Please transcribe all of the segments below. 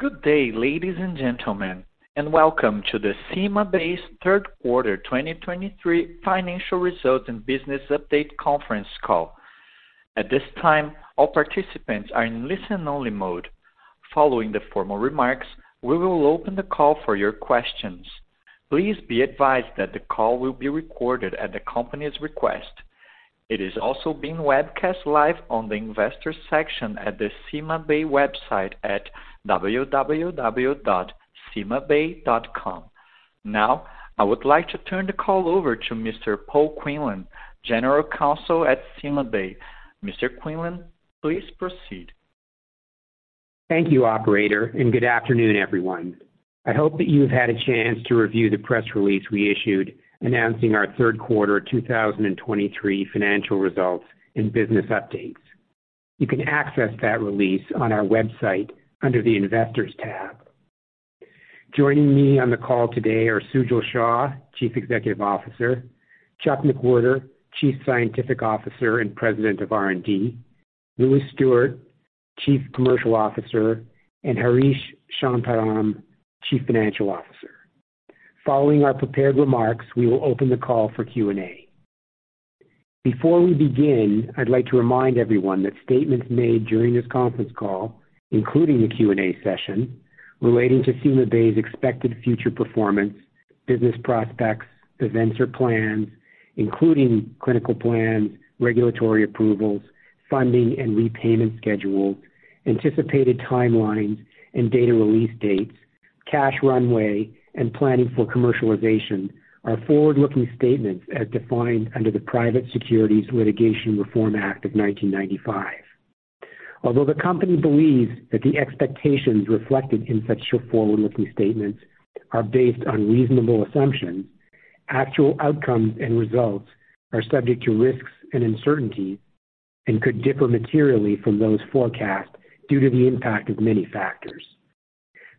Good day, ladies and gentlemen, and welcome to the CymaBay's third quarter 2023 financial results and business update conference call. At this time, all participants are in listen-only mode. Following the formal remarks, we will open the call for your questions. Please be advised that the call will be recorded at the company's request. It is also being webcast live on the investor section at the CymaBay website at www.cymabay.com. Now, I would like to turn the call over to Mr. Paul Quinlan, General Counsel at CymaBay. Mr. Quinlan, please proceed. Thank you, operator, and good afternoon, everyone. I hope that you've had a chance to review the press release we issued announcing our third quarter 2023 financial results and business updates. You can access that release on our website under the Investors tab. Joining me on the call today are Sujal Shah, Chief Executive Officer; Chuck McWherter, Chief Scientific Officer and President of R&D; Lewis Stuart, Chief Commercial Officer; and Harish Shantharam, Chief Financial Officer. Following our prepared remarks, we will open the call for Q&A. Before we begin, I'd like to remind everyone that statements made during this conference call, including the Q&A session, relating to CymaBay's expected future performance, business prospects, events or plans, including clinical plans, regulatory approvals, funding and repayment schedules, anticipated timelines and data release dates, cash runway, and planning for commercialization, are forward-looking statements as defined under the Private Securities Litigation Reform Act of 1995. Although the company believes that the expectations reflected in such forward-looking statements are based on reasonable assumptions, actual outcomes and results are subject to risks and uncertainties and could differ materially from those forecasts due to the impact of many factors.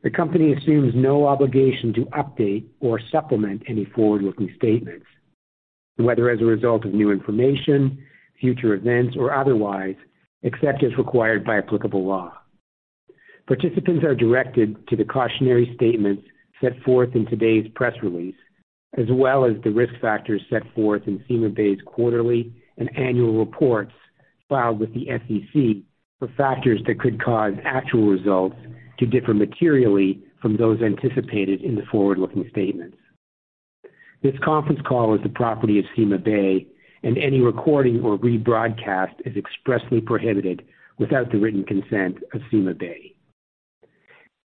The company assumes no obligation to update or supplement any forward-looking statements, whether as a result of new information, future events, or otherwise, except as required by applicable law. Participants are directed to the cautionary statements set forth in today's press release, as well as the risk factors set forth in CymaBay's quarterly and annual reports filed with the SEC for factors that could cause actual results to differ materially from those anticipated in the forward-looking statements. This conference call is the property of CymaBay, and any recording or rebroadcast is expressly prohibited without the written consent of CymaBay.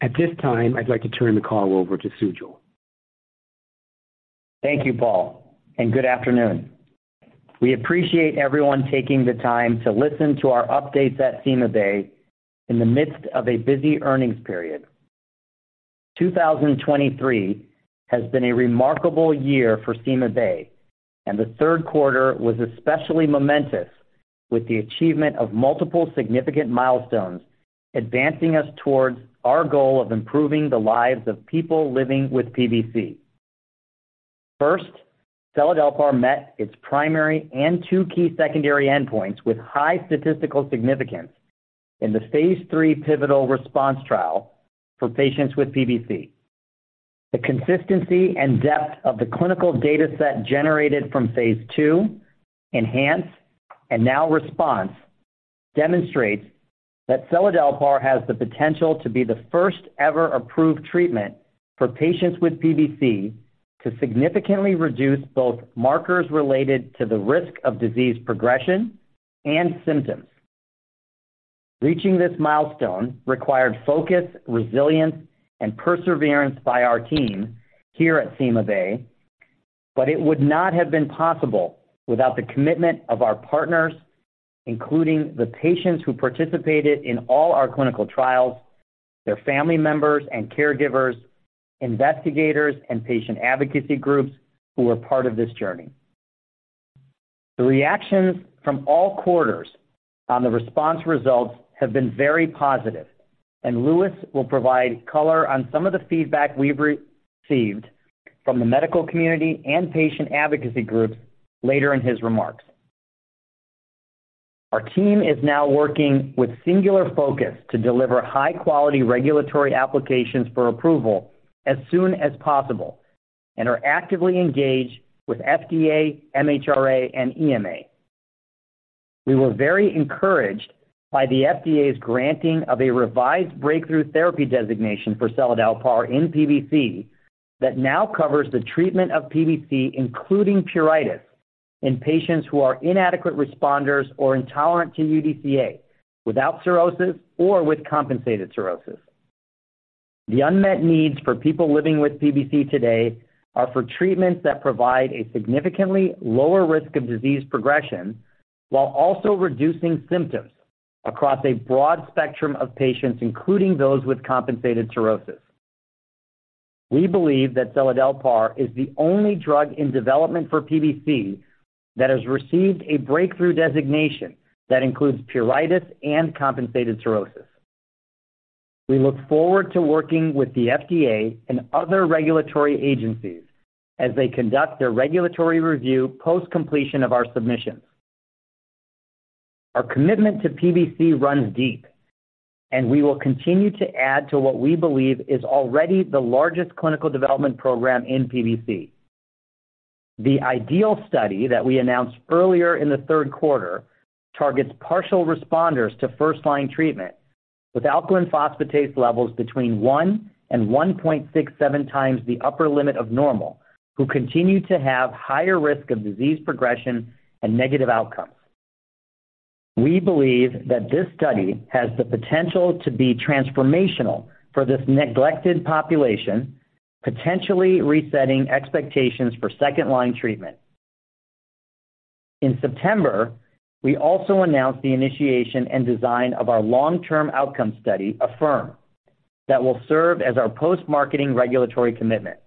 At this time, I'd like to turn the call over to Sujal. Thank you, Paul, and good afternoon. We appreciate everyone taking the time to listen to our updates at CymaBay in the midst of a busy earnings period. 2023 has been a remarkable year for CymaBay, and the third quarter was especially momentous with the achievement of multiple significant milestones, advancing us towards our goal of improving the lives of people living with PBC. First, seladelpar met its primary and 2 key secondary endpoints with high statistical significance in the phase 3 pivotal RESPONSE trial for patients with PBC. The consistency and depth of the clinical dataset generated from phase 2, ENHANCE, and now RESPONSE, demonstrates that seladelpar has the potential to be the first-ever approved treatment for patients with PBC to significantly reduce both markers related to the risk of disease progression and symptoms. Reaching this milestone required focus, resilience, and perseverance by our team here at CymaBay, but it would not have been possible without the commitment of our partners, including the patients who participated in all our clinical trials, their family members and caregivers, investigators, and patient advocacy groups who were part of this journey. The reactions from all quarters on the RESPONSE results have been very positive, and Lewis will provide color on some of the feedback we've received from the medical community and patient advocacy groups later in his remarks. Our team is now working with singular focus to deliver high-quality regulatory applications for approval as soon as possible and are actively engaged with FDA, MHRA, and EMA. We were very encouraged by the FDA's granting of a revised Breakthrough Therapy Designation for seladelpar in PBC that now covers the treatment of PBC, including pruritus, in patients who are inadequate responders or intolerant to UDCA, without cirrhosis or with compensated cirrhosis. The unmet needs for people living with PBC today are for treatments that provide a significantly lower risk of disease progression while also reducing symptoms across a broad spectrum of patients, including those with compensated cirrhosis. We believe that seladelpar is the only drug in development for PBC that has received a Breakthrough Therapy Designation that includes pruritus and compensated cirrhosis. We look forward to working with the FDA and other regulatory agencies as they conduct their regulatory review post-completion of our submissions. Our commitment to PBC runs deep, and we will continue to add to what we believe is already the largest clinical development program in PBC. The IDEAL study that we announced earlier in the third quarter targets partial responders to first-line treatment, with alkaline phosphatase levels between 1 and 1.67 times the upper limit of normal, who continue to have higher risk of disease progression and negative outcomes. We believe that this study has the potential to be transformational for this neglected population, potentially resetting expectations for second-line treatment. In September, we also announced the initiation and design of our long-term outcome study, AFFIRM, that will serve as our post-marketing regulatory commitment.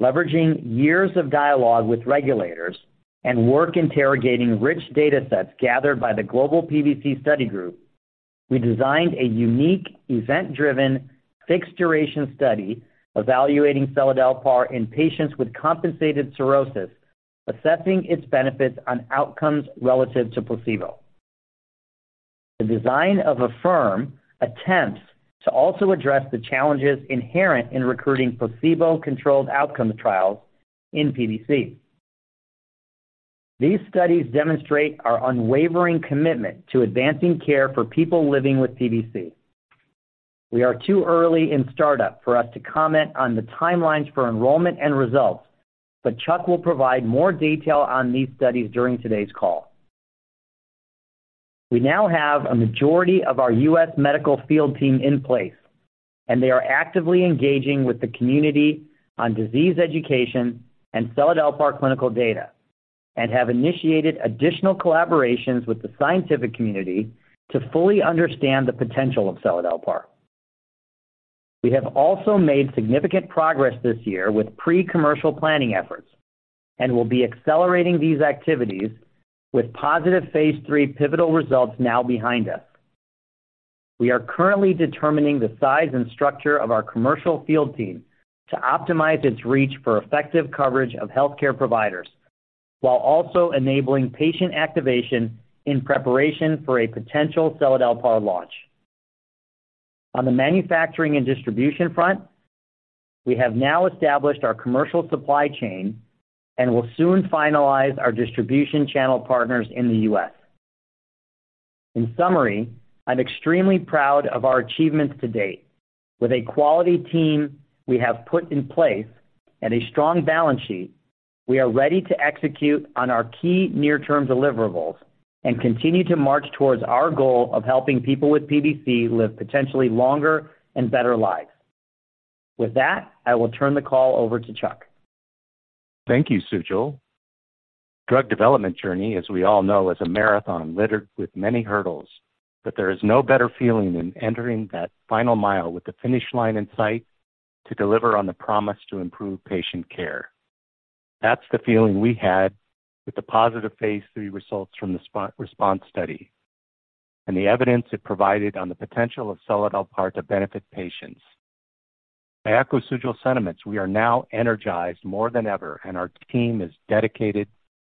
Leveraging years of dialogue with regulators and work interrogating rich data sets gathered by the Global PBC Study Group, we designed a unique, event-driven, fixed-duration study evaluating seladelpar in patients with compensated cirrhosis, assessing its benefits on outcomes relative to placebo. The design of AFFIRM attempts to also address the challenges inherent in recruiting placebo-controlled outcome trials in PBC. These studies demonstrate our unwavering commitment to advancing care for people living with PBC. We are too early in startup for us to comment on the timelines for enrollment and results, but Chuck will provide more detail on these studies during today's call. We now have a majority of our U.S. medical field team in place, and they are actively engaging with the community on disease education and seladelpar clinical data and have initiated additional collaborations with the scientific community to fully understand the potential of seladelpar. We have also made significant progress this year with pre-commercial planning efforts and will be accelerating these activities with positive phase III pivotal results now behind us. We are currently determining the size and structure of our commercial field team to optimize its reach for effective coverage of healthcare providers, while also enabling patient activation in preparation for a potential seladelpar launch. On the manufacturing and distribution front, we have now established our commercial supply chain and will soon finalize our distribution channel partners in the U.S. In summary, I'm extremely proud of our achievements to date. With a quality team we have put in place and a strong balance sheet, we are ready to execute on our key near-term deliverables and continue to march towards our goal of helping people with PBC live potentially longer and better lives. With that, I will turn the call over to Chuck. Thank you, Sujal. Drug development journey, as we all know, is a marathon littered with many hurdles, but there is no better feeling than entering that final mile with the finish line in sight to deliver on the promise to improve patient care. That's the feeling we had with the positive Phase III results from the RESPONSE study and the evidence it provided on the potential of seladelpar to benefit patients. To echo Sujal's sentiments, we are now energized more than ever, and our team is dedicated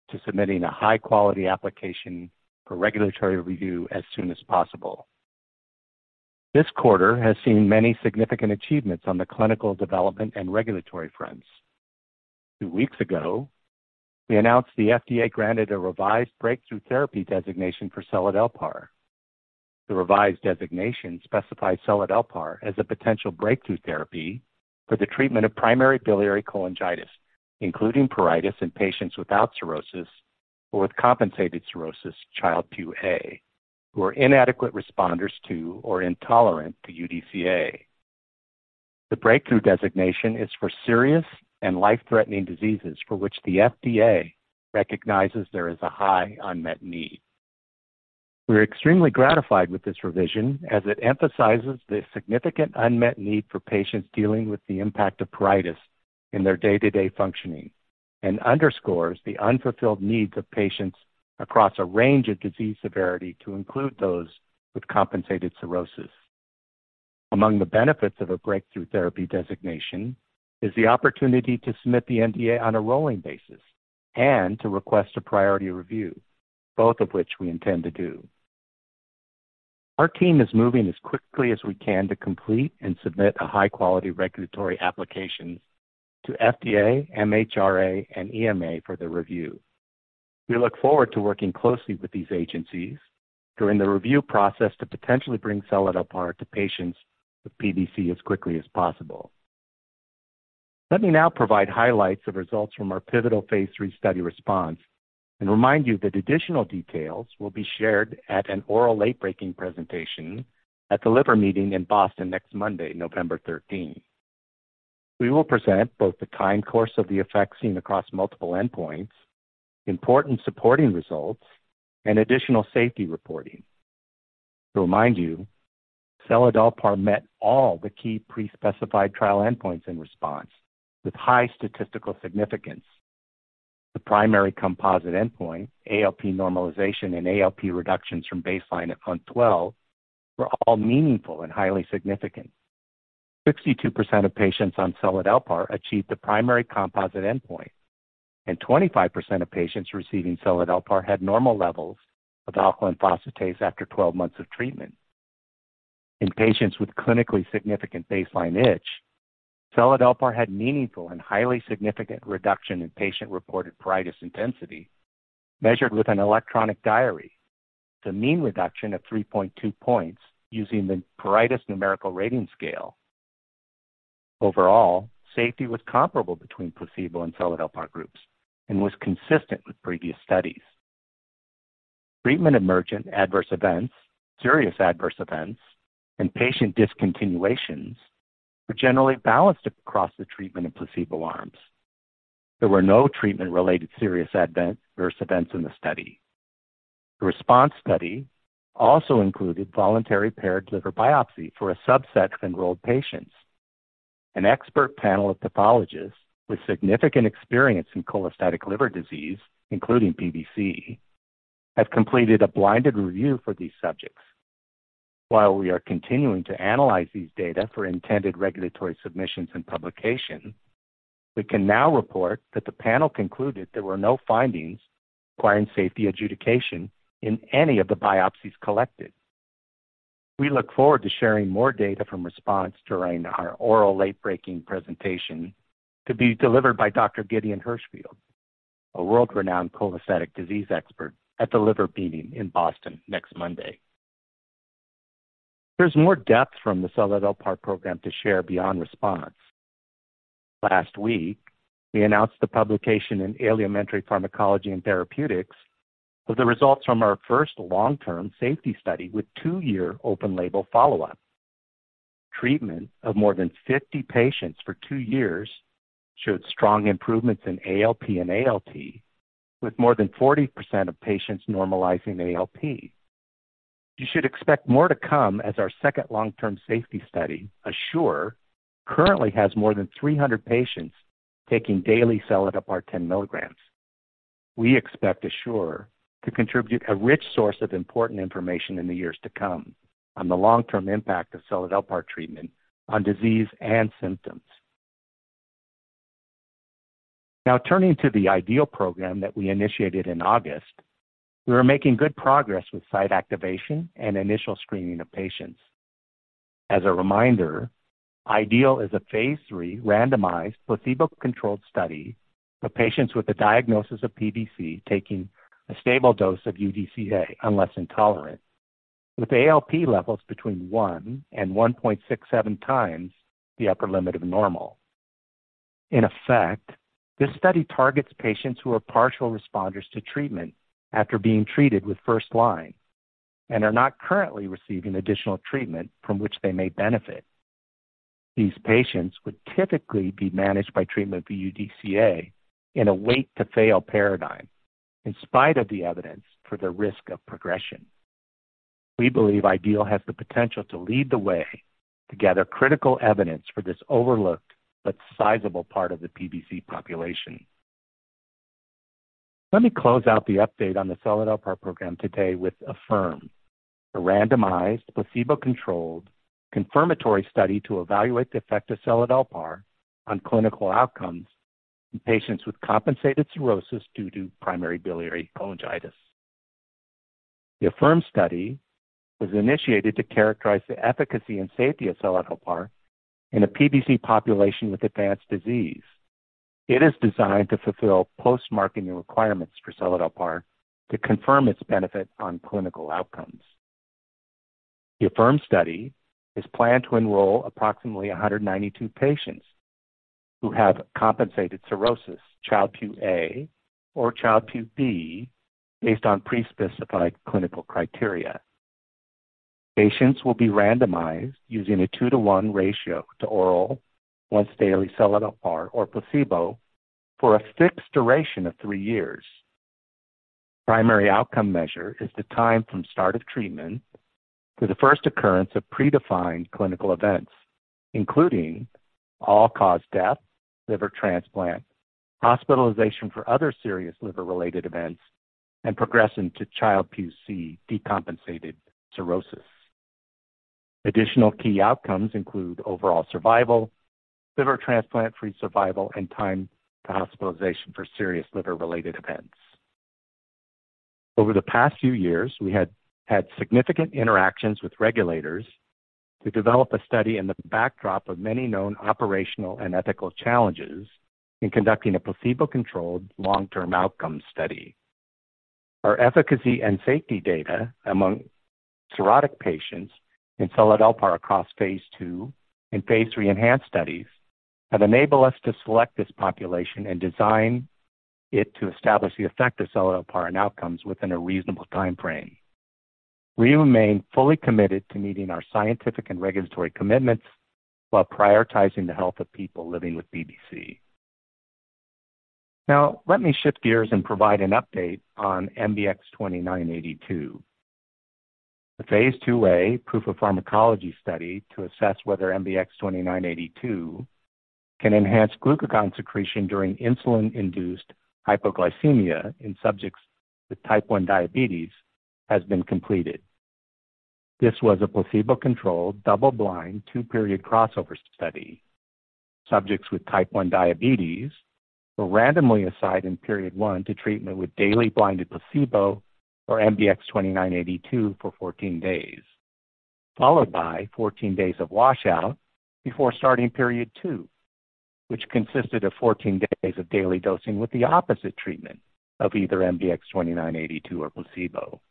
to submitting a high-quality application for regulatory review as soon as possible. This quarter has seen many significant achievements on the clinical development and regulatory fronts. Two weeks ago, we announced the FDA granted a revised breakthrough therapy designation for seladelpar. The revised designation specifies seladelpar as a potential Breakthrough Therapy Designation for the treatment of primary biliary cholangitis, including pruritus in patients without cirrhosis or with compensated cirrhosis, Child-Pugh A, who are inadequate responders to or intolerant to UDCA. The Breakthrough Therapy Designation is for serious and life-threatening diseases for which the FDA recognizes there is a high unmet need. We're extremely gratified with this revision, as it emphasizes the significant unmet need for patients dealing with the impact of pruritus in their day-to-day functioning and underscores the unfulfilled needs of patients across a range of disease severity to include those with compensated cirrhosis. Among the benefits of a Breakthrough Therapy Designation is the opportunity to submit the NDA on a rolling basis and to request a priority review, both of which we intend to do. Our team is moving as quickly as we can to complete and submit a high-quality regulatory application to FDA, MHRA, and EMA for their review. We look forward to working closely with these agencies during the review process to potentially bring seladelpar to patients with PBC as quickly as possible. Let me now provide highlights of results from our pivotal phase 3 study RESPONSE and remind you that additional details will be shared at an oral late-breaking presentation at the Liver Meeting in Boston next Monday, November 13. We will present both the time course of the effects seen across multiple endpoints, important supporting results, and additional safety reporting. To remind you, seladelpar met all the key pre-specified trial endpoints in RESPONSE with high statistical significance. The primary composite endpoint, ALP normalization, and ALP reductions from baseline at month 12, were all meaningful and highly significant.... 62% of patients on seladelpar achieved the primary composite endpoint, and 25% of patients receiving seladelpar had normal levels of alkaline phosphatase after 12 months of treatment. In patients with clinically significant baseline itch, seladelpar had meaningful and highly significant reduction in patient-reported pruritus intensity, measured with an electronic diary. It's a mean reduction of 3.2 points using the Pruritus Numerical Rating Scale. Overall, safety was comparable between placebo and seladelpar groups and was consistent with previous studies. Treatment-emergent adverse events, serious adverse events, and patient discontinuations were generally balanced across the treatment and placebo arms. There were no treatment-related serious adverse events, adverse events in the study. The RESPONSE study also included voluntary paired liver biopsy for a subset of enrolled patients. An expert panel of pathologists with significant experience in cholestatic liver disease, including PBC, have completed a blinded review for these subjects. While we are continuing to analyze these data for intended regulatory submissions and publication, we can now report that the panel concluded there were no findings requiring safety adjudication in any of the biopsies collected. We look forward to sharing more data from RESPONSE during our oral late-breaking presentation, to be delivered by Dr. Gideon Hirschfield, a world-renowned cholestatic disease expert, at The Liver Meeting in Boston next Monday. There's more depth from the seladelpar program to share beyond RESPONSE. Last week, we announced the publication in Alimentary Pharmacology & Therapeutics of the results from our first long-term safety study with 2-year open-label follow-up. Treatment of more than 50 patients for 2 years showed strong improvements in ALP and ALT, with more than 40% of patients normalizing ALP. You should expect more to come as our second long-term safety study, ASSURE, currently has more than 300 patients taking daily seladelpar 10 milligrams. We expect ASSURE to contribute a rich source of important information in the years to come on the long-term impact of seladelpar treatment on disease and symptoms. Now, turning to the IDEAL program that we initiated in August, we are making good progress with site activation and initial screening of patients. As a reminder, IDEAL is a phase 3 randomized, placebo-controlled study for patients with a diagnosis of PBC taking a stable dose of UDCA, unless intolerant, with ALP levels between 1-1.67 times the upper limit of normal. In effect, this study targets patients who are partial responders to treatment after being treated with first-line and are not currently receiving additional treatment from which they may benefit. These patients would typically be managed by treatment with UDCA in a wait-to-fail paradigm, in spite of the evidence for the risk of progression. We believe IDEAL has the potential to lead the way to gather critical evidence for this overlooked but sizable part of the PBC population. Let me close out the update on the seladelpar program today with AFFIRM, a randomized, placebo-controlled confirmatory study to evaluate the effect of seladelpar on clinical outcomes in patients with compensated cirrhosis due to primary biliary cholangitis. The AFFIRM study was initiated to characterize the efficacy and safety of seladelpar in a PBC population with advanced disease. It is designed to fulfill post-marketing requirements for seladelpar to confirm its benefit on clinical outcomes. The AFFIRM study is planned to enroll approximately 192 patients who have compensated cirrhosis, Child-Pugh A or Child-Pugh B, based on pre-specified clinical criteria. Patients will be randomized using a 2-to-1 ratio to oral once-daily seladelpar or placebo for a fixed duration of 3 years. Primary outcome measure is the time from start of treatment to the first occurrence of predefined clinical events, including all-cause death, liver transplant, hospitalization for other serious liver-related events, and progression to Child-Pugh C decompensated cirrhosis. Additional key outcomes include overall survival, liver transplant-free survival, and time to hospitalization for serious liver-related events. Over the past few years, we had had significant interactions with regulators to develop a study in the backdrop of many known operational and ethical challenges in conducting a placebo-controlled long-term outcome study. Our efficacy and safety data among cirrhotic patients in seladelpar across phase 2 and phase 3 ENHANCE studies have enabled us to select this population and design it to establish the effect of seladelpar on outcomes within a reasonable timeframe. We remain fully committed to meeting our scientific and regulatory commitments while prioritizing the health of people living with PBC. Now, let me shift gears and provide an update on MBX-2982. The Phase 2a proof of pharmacology study to assess whether MBX-2982 can enhance glucagon secretion during insulin-induced hypoglycemia in subjects with type 1 diabetes has been completed. This was a placebo-controlled, double-blind, 2-period crossover study. Subjects with type 1 diabetes were randomly assigned in period one to treatment with daily blinded placebo or MBX-2982 for 14 days, followed by 14 days of washout before starting period two, which consisted of 14 days of daily dosing with the opposite treatment of either MBX-2982 or placebo.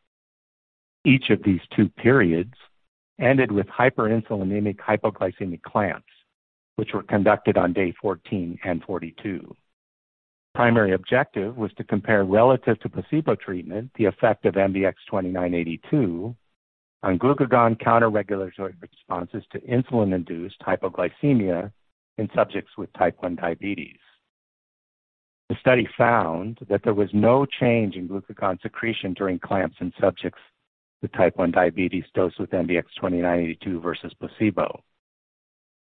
Each of these two periods ended with hyperinsulinemic hypoglycemic clamps, which were conducted on day 14 and 42. The primary objective was to compare, relative to placebo treatment, the effect of MBX-2982 on glucagon counterregulatory responses to insulin-induced hypoglycemia in subjects with type 1 diabetes. The study found that there was no change in glucagon secretion during clamps in subjects with type 1 diabetes dosed with MBX-2982 versus placebo.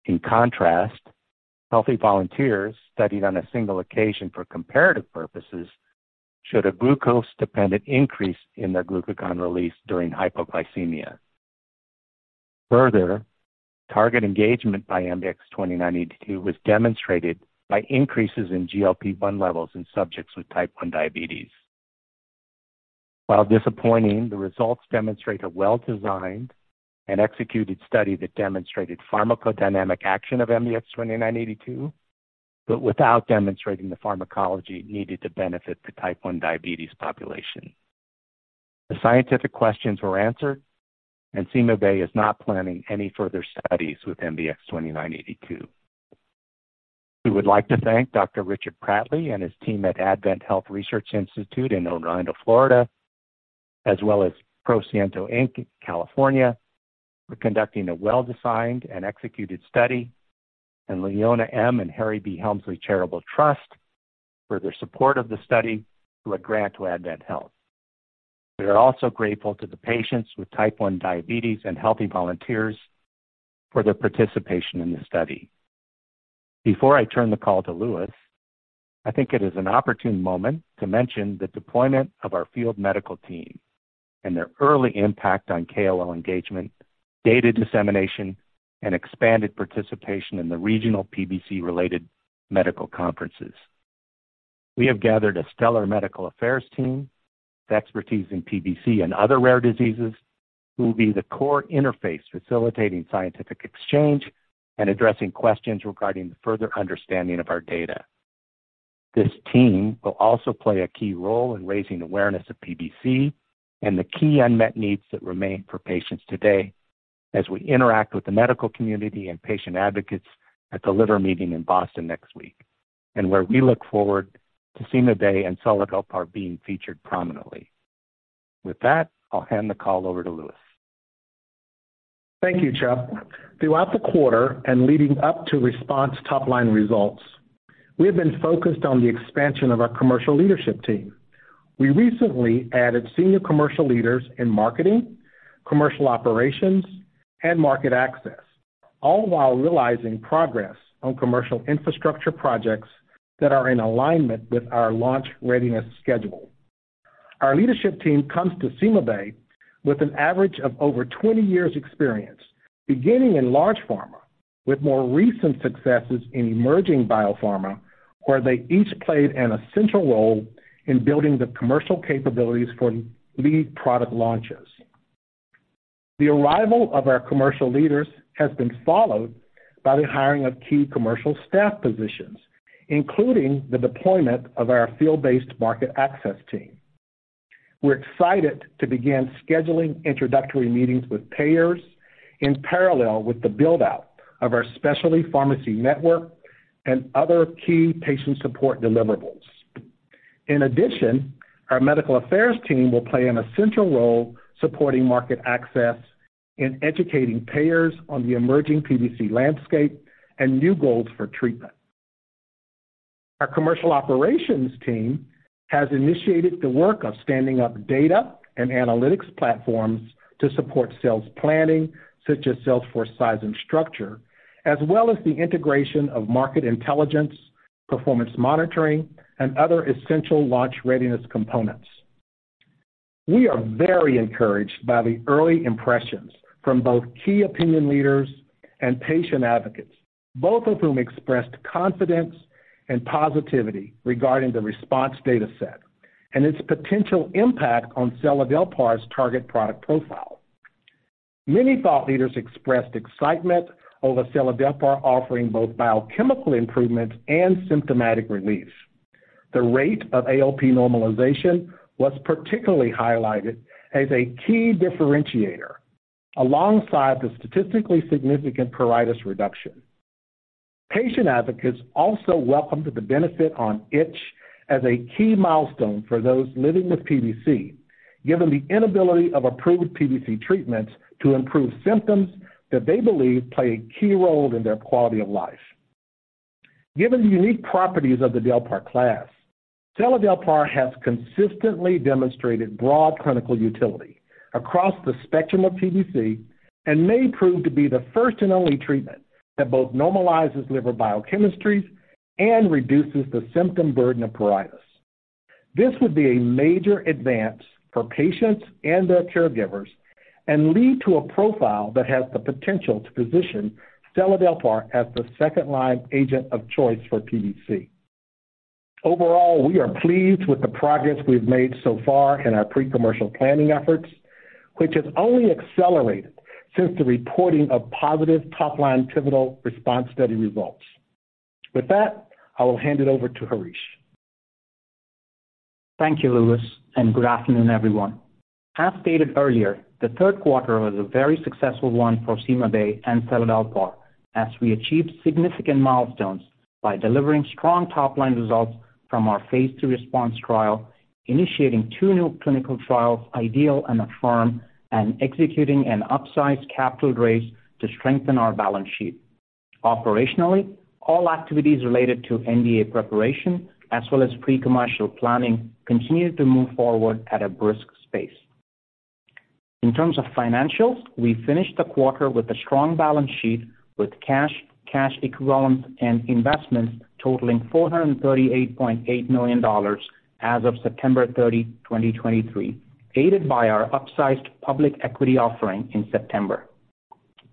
In contrast, healthy volunteers studied on a single occasion for comparative purposes, showed a glucose-dependent increase in their glucagon release during hypoglycemia. Further, target engagement by MBX-2982 was demonstrated by increases in GLP-1 levels in subjects with type 1 diabetes. While disappointing, the results demonstrate a well-designed and executed study that demonstrated pharmacodynamic action of MBX-2982, but without demonstrating the pharmacology needed to benefit the type 1 diabetes population. The scientific questions were answered, and CymaBay is not planning any further studies with MBX-2982. We would like to thank Dr. Richard Pratley and his team at AdventHealth Research Institute in Orlando, Florida, as well as ProSciento. in California, for conducting a well-designed and executed study, and Leona M. and Harry B. Helmsley Charitable Trust for their support of the study through a grant to AdventHealth. We are also grateful to the patients with type 1 diabetes and healthy volunteers for their participation in the study. Before I turn the call to Lewis, I think it is an opportune moment to mention the deployment of our field medical team and their early impact on KOL engagement, data dissemination, and expanded participation in the regional PBC-related medical conferences. We have gathered a stellar medical affairs team with expertise in PBC and other rare diseases, who will be the core interface facilitating scientific exchange and addressing questions regarding the further understanding of our data. This team will also play a key role in raising awareness of PBC and the key unmet needs that remain for patients today, as we interact with the medical community and patient advocates at the Liver Meeting in Boston next week, and where we look forward to CymaBay and seladelpar being featured prominently. With that, I'll hand the call over to Lewis. Thank you, Chuck. Throughout the quarter and leading up to RESPONSE top-line results, we have been focused on the expansion of our commercial leadership team. We recently added senior commercial leaders in marketing, commercial operations, and market access, all while realizing progress on commercial infrastructure projects that are in alignment with our launch readiness schedule. Our leadership team comes to CymaBay with an average of over 20 years' experience, beginning in large pharma, with more recent successes in emerging biopharma, where they each played an essential role in building the commercial capabilities for lead product launches. The arrival of our commercial leaders has been followed by the hiring of key commercial staff positions, including the deployment of our field-based market access team. We're excited to begin scheduling introductory meetings with payers in parallel with the build-out of our specialty pharmacy network and other key patient support deliverables. In addition, our medical affairs team will play an essential role supporting market access in educating payers on the emerging PBC landscape and new goals for treatment. Our commercial operations team has initiated the work of standing up data and analytics platforms to support sales planning, such as sales force size and structure, as well as the integration of market intelligence, performance monitoring, and other essential launch readiness components. We are very encouraged by the early impressions from both key opinion leaders and patient advocates, both of whom expressed confidence and positivity regarding the response data set and its potential impact on seladelpar's target product profile. Many thought leaders expressed excitement over seladelpar offering both biochemical improvements and symptomatic relief. The rate of ALP normalization was particularly highlighted as a key differentiator alongside the statistically significant pruritus reduction. Patient advocates also welcomed the benefit on itch as a key milestone for those living with PBC, given the inability of approved PBC treatments to improve symptoms that they believe play a key role in their quality of life. Given the unique properties of the seladelpar class, Seladelpar has consistently demonstrated broad clinical utility across the spectrum of PBC, and may prove to be the first and only treatment that both normalizes liver biochemistry and reduces the symptom burden of pruritus. This would be a major advance for patients and their caregivers and lead to a profile that has the potential to position Seladelpar as the second-line agent of choice for PBC. Overall, we are pleased with the progress we've made so far in our pre-commercial planning efforts, which has only accelerated since the reporting of positive top-line pivotal response study results. With that, I will hand it over to Harish. Thank you, Lewis, and good afternoon, everyone. As stated earlier, the third quarter was a very successful one for CymaBay and seladelpar, as we achieved significant milestones by delivering strong top-line results from our phase 2 RESPONSE trial, initiating two new clinical trials, IDEAL and AFFIRM, and executing an upsized capital raise to strengthen our balance sheet. Operationally, all activities related to NDA preparation, as well as pre-commercial planning, continued to move forward at a brisk pace. In terms of financials, we finished the quarter with a strong balance sheet, with cash, cash equivalents, and investments totaling $438.8 million as of September 30, 2023, aided by our upsized public equity offering in September.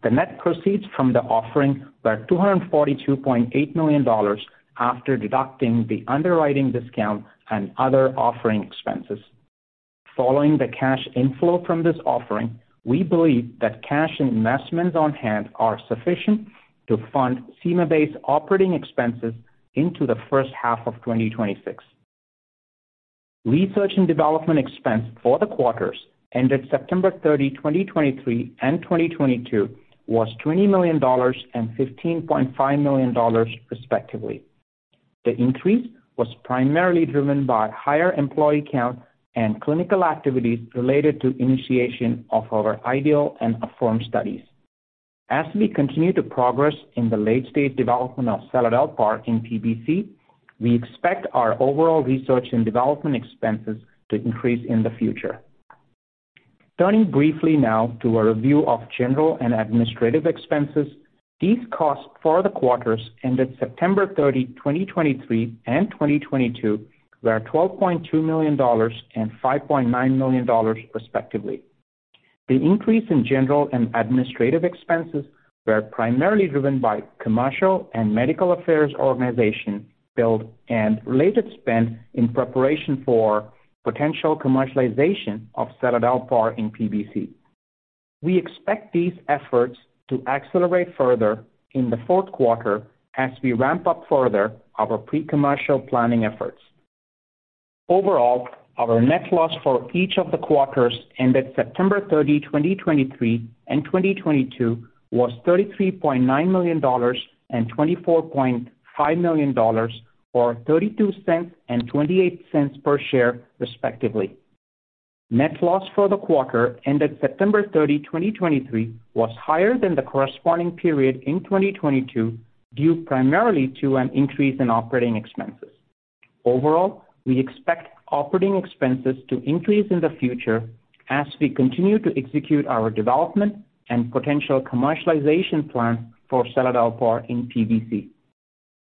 The net proceeds from the offering were $242.8 million after deducting the underwriting discount and other offering expenses. Following the cash inflow from this offering, we believe that cash investments on hand are sufficient to fund CymaBay's operating expenses into the first half of 2026. Research and development expense for the quarters ended September 30, 2023, and 2022, was $20 million and $15.5 million, respectively. The increase was primarily driven by higher employee count and clinical activities related to initiation of our IDEAL and AFFIRM studies. As we continue to progress in the late-stage development of seladelpar in PBC, we expect our overall research and development expenses to increase in the future. Turning briefly now to a review of general and administrative expenses, these costs for the quarters ended September 30, 2023, and 2022, were $12.2 million and $5.9 million, respectively. The increase in general and administrative expenses were primarily driven by commercial and medical affairs organization build and related spend in preparation for potential commercialization of seladelpar in PBC. We expect these efforts to accelerate further in the fourth quarter as we ramp up further our pre-commercial planning efforts. Overall, our net loss for each of the quarters ended September 30, 2023, and 2022, was $33.9 million and $24.5 million, or $0.32 and $0.28 per share, respectively. Net loss for the quarter ended September 30, 2023, was higher than the corresponding period in 2022, due primarily to an increase in operating expenses. Overall, we expect operating expenses to increase in the future as we continue to execute our development and potential commercialization plan for seladelpar in PBC.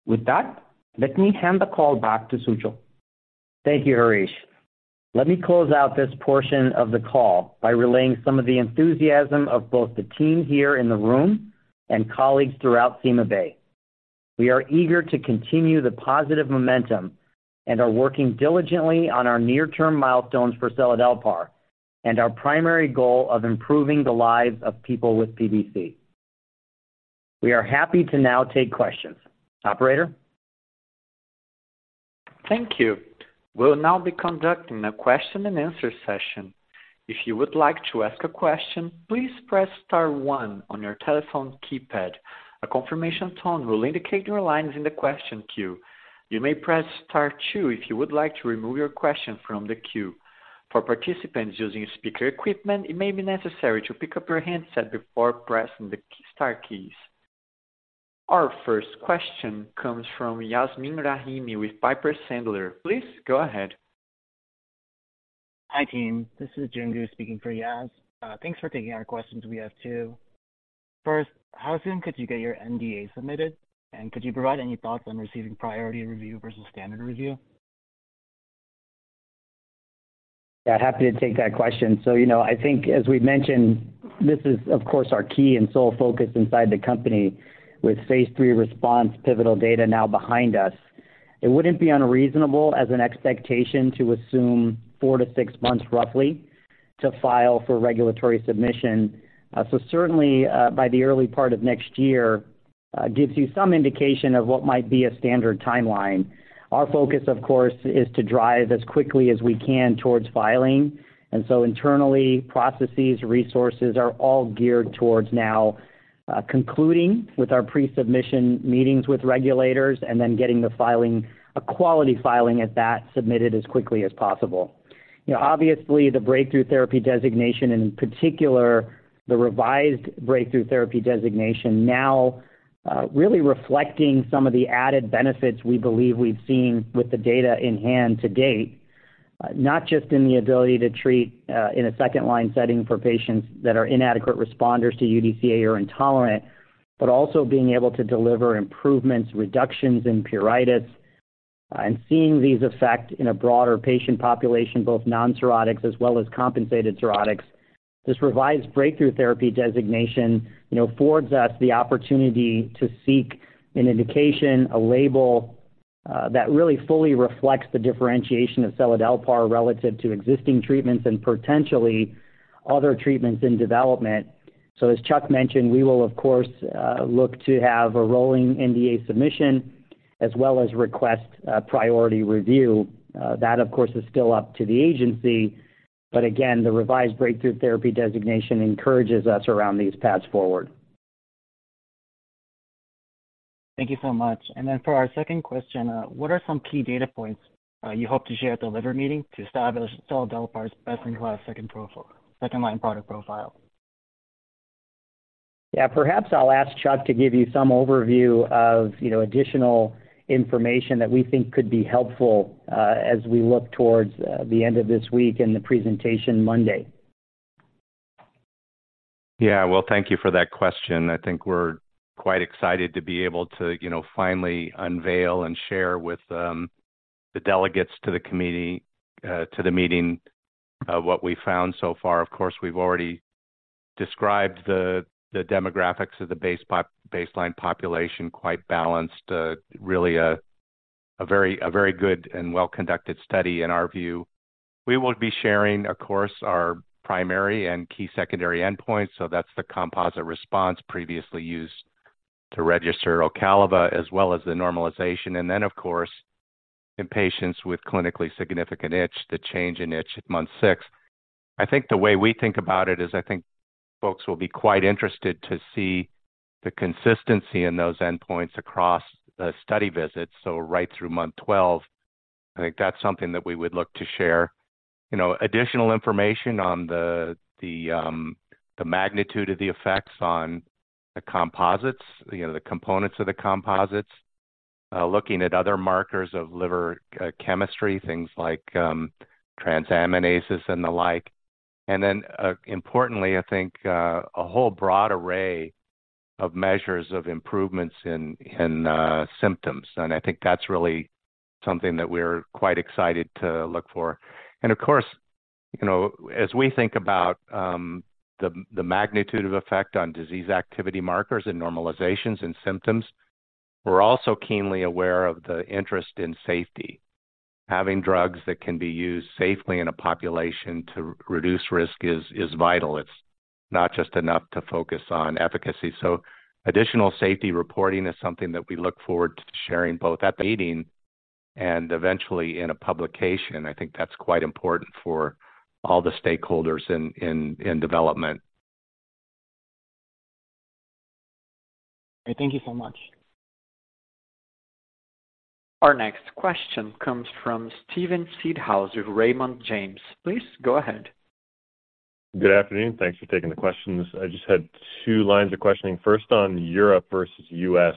With that, let me hand the call back to Sujal. Thank you, Harish. Let me close out this portion of the call by relaying some of the enthusiasm of both the team here in the room and colleagues throughout CymaBay. We are eager to continue the positive momentum and are working diligently on our near-term milestones for Seladelpar, and our primary goal of improving the lives of people with PBC. We are happy to now take questions. Operator? Thank you. We'll now be conducting a question-and-answer session. If you would like to ask a question, please press star one on your telephone keypad. A confirmation tone will indicate your line is in the question queue. You may press star two if you would like to remove your question from the queue. For participants using speaker equipment, it may be necessary to pick up your handset before pressing the star keys. Our first question comes from Yasmeen Rahimi with Piper Sandler. Please go ahead. Hi, team. This is Jing He speaking for Yas. Thanks for taking our questions. We have two. First, how soon could you get your NDA submitted? And could you provide any thoughts on receiving priority review versus standard review? Yeah, happy to take that question. So, you know, I think as we've mentioned, this is of course, our key and sole focus inside the company with Phase 3 RESPONSE pivotal data now behind us. It wouldn't be unreasonable as an expectation to assume 4-6 months, roughly, to file for regulatory submission. So certainly, by the early part of next year, gives you some indication of what might be a standard timeline. Our focus, of course, is to drive as quickly as we can towards filing, and so internally, processes, resources are all geared towards now, concluding with our pre-submission meetings with regulators and then getting the filing, a quality filing at that, submitted as quickly as possible. You know, obviously, the breakthrough therapy designation, and in particular, the revised breakthrough therapy designation, now, really reflecting some of the added benefits we believe we've seen with the data in hand to date. Not just in the ability to treat, in a second-line setting for patients that are inadequate responders to UDCA or intolerant, but also being able to deliver improvements, reductions in pruritus, and seeing these effects in a broader patient population, both non-cirrhotic as well as compensated cirrhotics. This revised breakthrough therapy designation, you know, affords us the opportunity to seek an indication, a label, that really fully reflects the differentiation of seladelpar relative to existing treatments and potentially other treatments in development. So as Chuck mentioned, we will of course, look to have a rolling NDA submission as well as request a priority review. That, of course, is still up to the agency. But again, the revised Breakthrough Therapy Designation encourages us around these paths forward. Thank you so much. And then for our second question, what are some key data points, you hope to share at the Liver Meeting to establish seladelpar's best-in-class second profile, second-line product profile? Yeah, perhaps I'll ask Chuck to give you some overview of, you know, additional information that we think could be helpful, as we look towards the end of this week and the presentation Monday. Yeah. Well, thank you for that question. I think we're quite excited to be able to, you know, finally unveil and share with, the delegates to the committee, to the meeting, what we found so far. Of course, we've already described the demographics of the baseline population, quite balanced, really a very good and well-conducted study in our view. We will be sharing, of course, our primary and key secondary endpoints, so that's the composite response previously used to register Ocaliva, as well as the normalization. And then, of course, in patients with clinically significant itch, the change in itch at month six. I think the way we think about it is, I think folks will be quite interested to see the consistency in those endpoints across the study visits, so right through month twelve. I think that's something that we would look to share. You know, additional information on the magnitude of the effects on the composites, you know, the components of the composites, looking at other markers of liver chemistry, things like transaminases and the like. And then, importantly, I think a whole broad array of measures of improvements in symptoms. And I think that's really something that we're quite excited to look for. And of course, you know, as we think about the magnitude of effect on disease activity markers and normalizations and symptoms, we're also keenly aware of the interest in safety. Having drugs that can be used safely in a population to reduce risk is vital. It's not just enough to focus on efficacy. So additional safety reporting is something that we look forward to sharing both at the meeting and eventually in a publication. I think that's quite important for all the stakeholders in development. Thank you so much. Our next question comes from Steven Seedhouse of Raymond James. Please go ahead. Good afternoon. Thanks for taking the questions. I just had two lines of questioning. First, on Europe versus U.S.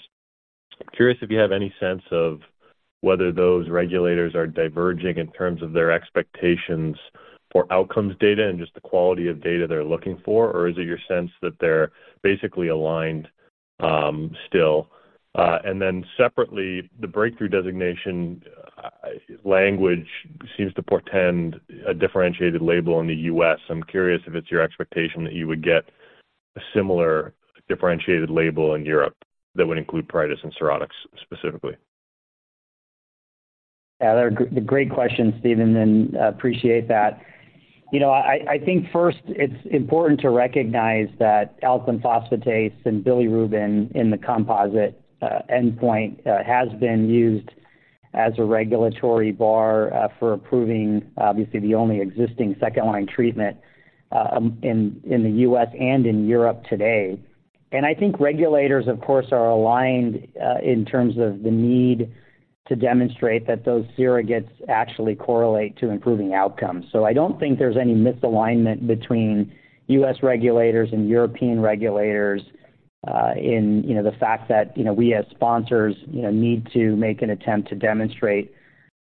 Curious if you have any sense of whether those regulators are diverging in terms of their expectations for outcomes data, and just the quality of data they're looking for, or is it your sense that they're basically aligned, still? And then separately, the breakthrough designation language seems to portend a differentiated label in the U.S. I'm curious if it's your expectation that you would get a similar differentiated label in Europe that would include pruritus and cirrhotics specifically. Yeah, they're great questions, Stephen, and appreciate that. You know, I think first it's important to recognize that alkaline phosphatase and bilirubin in the composite endpoint has been used as a regulatory bar for approving, obviously, the only existing second-line treatment in the U.S. and in Europe today. And I think regulators, of course, are aligned in terms of the need to demonstrate that those surrogates actually correlate to improving outcomes. So I don't think there's any misalignment between U.S. regulators and European regulators in you know the fact that you know we as sponsors you know need to make an attempt to demonstrate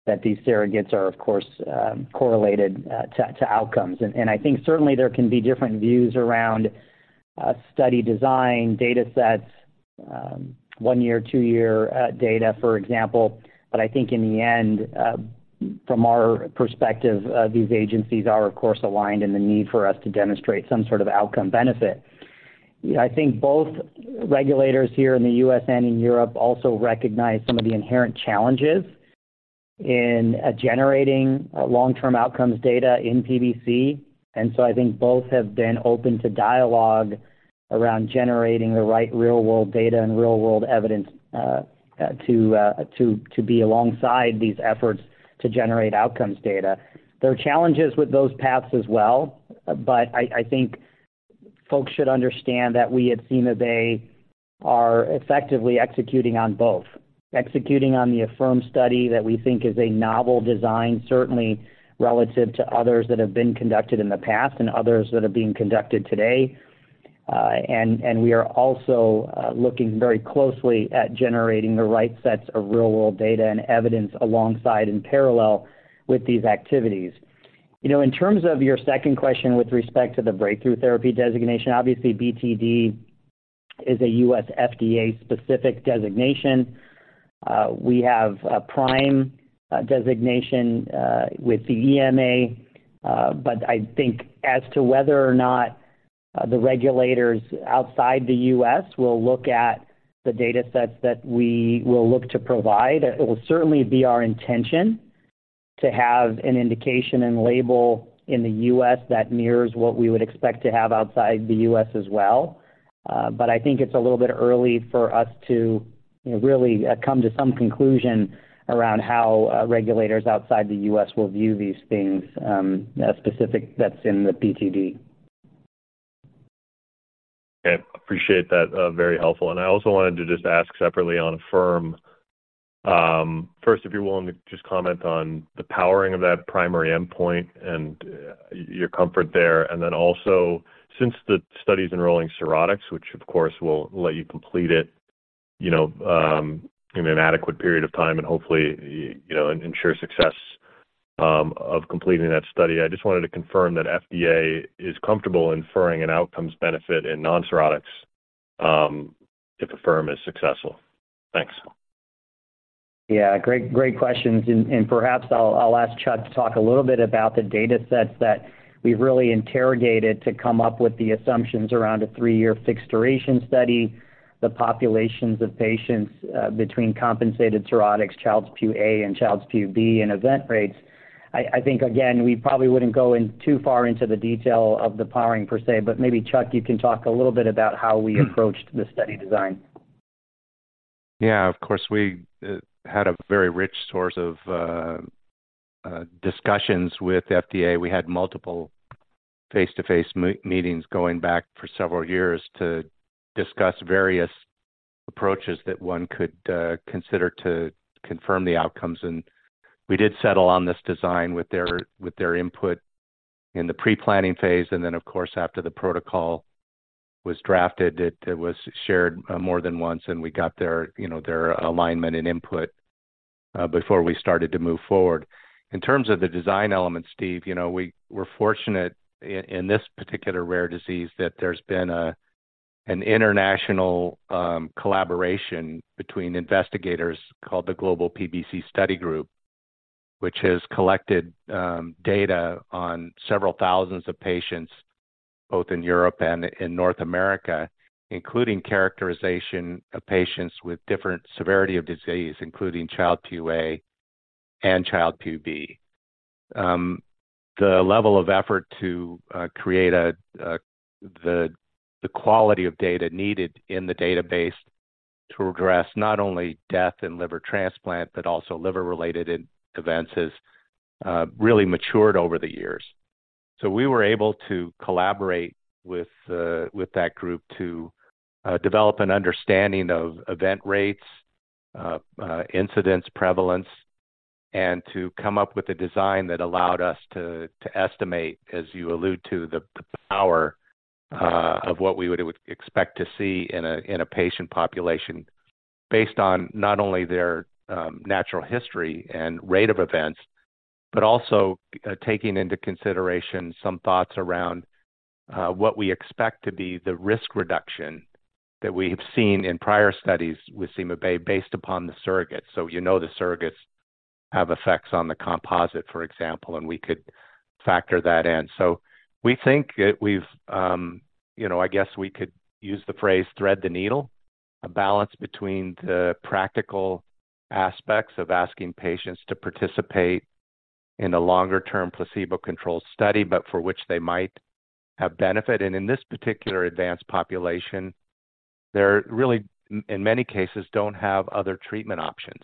that these surrogates are of course correlated to outcomes. And I think certainly there can be different views around study design, datasets, one-year, two-year data, for example. I think in the end, from our perspective, these agencies are of course aligned in the need for us to demonstrate some sort of outcome benefit. I think both regulators here in the U.S. and in Europe also recognize some of the inherent challenges in generating long-term outcomes data in PBC. And so I think both have been open to dialogue around generating the right real-world data and real-world evidence to be alongside these efforts to generate outcomes data. There are challenges with those paths as well, but I think folks should understand that we at CymaBay are effectively executing on both. Executing on the AFFIRM study, that we think is a novel design, certainly relative to others that have been conducted in the past and others that are being conducted today. and we are also looking very closely at generating the right sets of real-world data and evidence alongside in parallel with these activities. You know, in terms of your second question with respect to the breakthrough therapy designation, obviously BTD-... is a U.S. FDA-specific designation. We have a prime designation with the EMA. But I think as to whether or not the regulators outside the U.S. will look at the data sets that we will look to provide, it will certainly be our intention to have an indication and label in the U.S. that mirrors what we would expect to have outside the U.S. as well. But I think it's a little bit early for us to, you know, really, come to some conclusion around how regulators outside the U.S. will view these things, as specific that's in the PTD. Okay, appreciate that. Very helpful. And I also wanted to just ask separately on AFFIRM. First, if you're willing to just comment on the powering of that primary endpoint and your comfort there. And then also, since the study's enrolling cirrhotics, which, of course, will let you complete it, you know, in an adequate period of time and hopefully, you know, ensure success of completing that study. I just wanted to confirm that FDA is comfortable inferring an outcomes benefit in non-cirrhotics, if a AFFIRM is successful. Thanks. Yeah, great, great questions, and perhaps I'll ask Chuck to talk a little bit about the data sets that we've really interrogated to come up with the assumptions around a 3-year fixed duration study, the populations of patients between compensated cirrhotics, Child-Pugh A, and Child-Pugh B, and event rates. I think, again, we probably wouldn't go in too far into the detail of the powering per se, but maybe, Chuck, you can talk a little bit about how we approached the study design. Yeah, of course. We had a very rich source of discussions with FDA. We had multiple face-to-face meetings going back for several years to discuss various approaches that one could consider to confirm the outcomes, and we did settle on this design with their input in the pre-planning phase. And then, of course, after the protocol was drafted, it was shared more than once, and we got their, you know, their alignment and input before we started to move forward. In terms of the design elements, Steve, you know, we were fortunate in this particular rare disease that there's been an international collaboration between investigators called the Global PBC Study Group, which has collected data on several thousands of patients, both in Europe and in North America, including characterization of patients with different severity of disease, including Child-Pugh A and Child-Pugh B. The level of effort to create the quality of data needed in the database to address not only death and liver transplant, but also liver-related events, has really matured over the years. So we were able to collaborate with that group to develop an understanding of event rates, incidence, prevalence, and to come up with a design that allowed us to estimate, as you allude to, the power of what we would expect to see in a patient population. Based on not only their natural history and rate of events, but also taking into consideration some thoughts around what we expect to be the risk reduction that we have seen in prior studies with seladelpar upon the surrogate. So, you know, the surrogates have effects on the composite, for example, and we could factor that in. So we think that we've, you know, I guess we could use the phrase thread the needle, a balance between the practical aspects of asking patients to participate in a longer-term placebo-controlled study, but for which they might have benefit. And in this particular advanced population, they're really, in many cases, don't have other treatment options,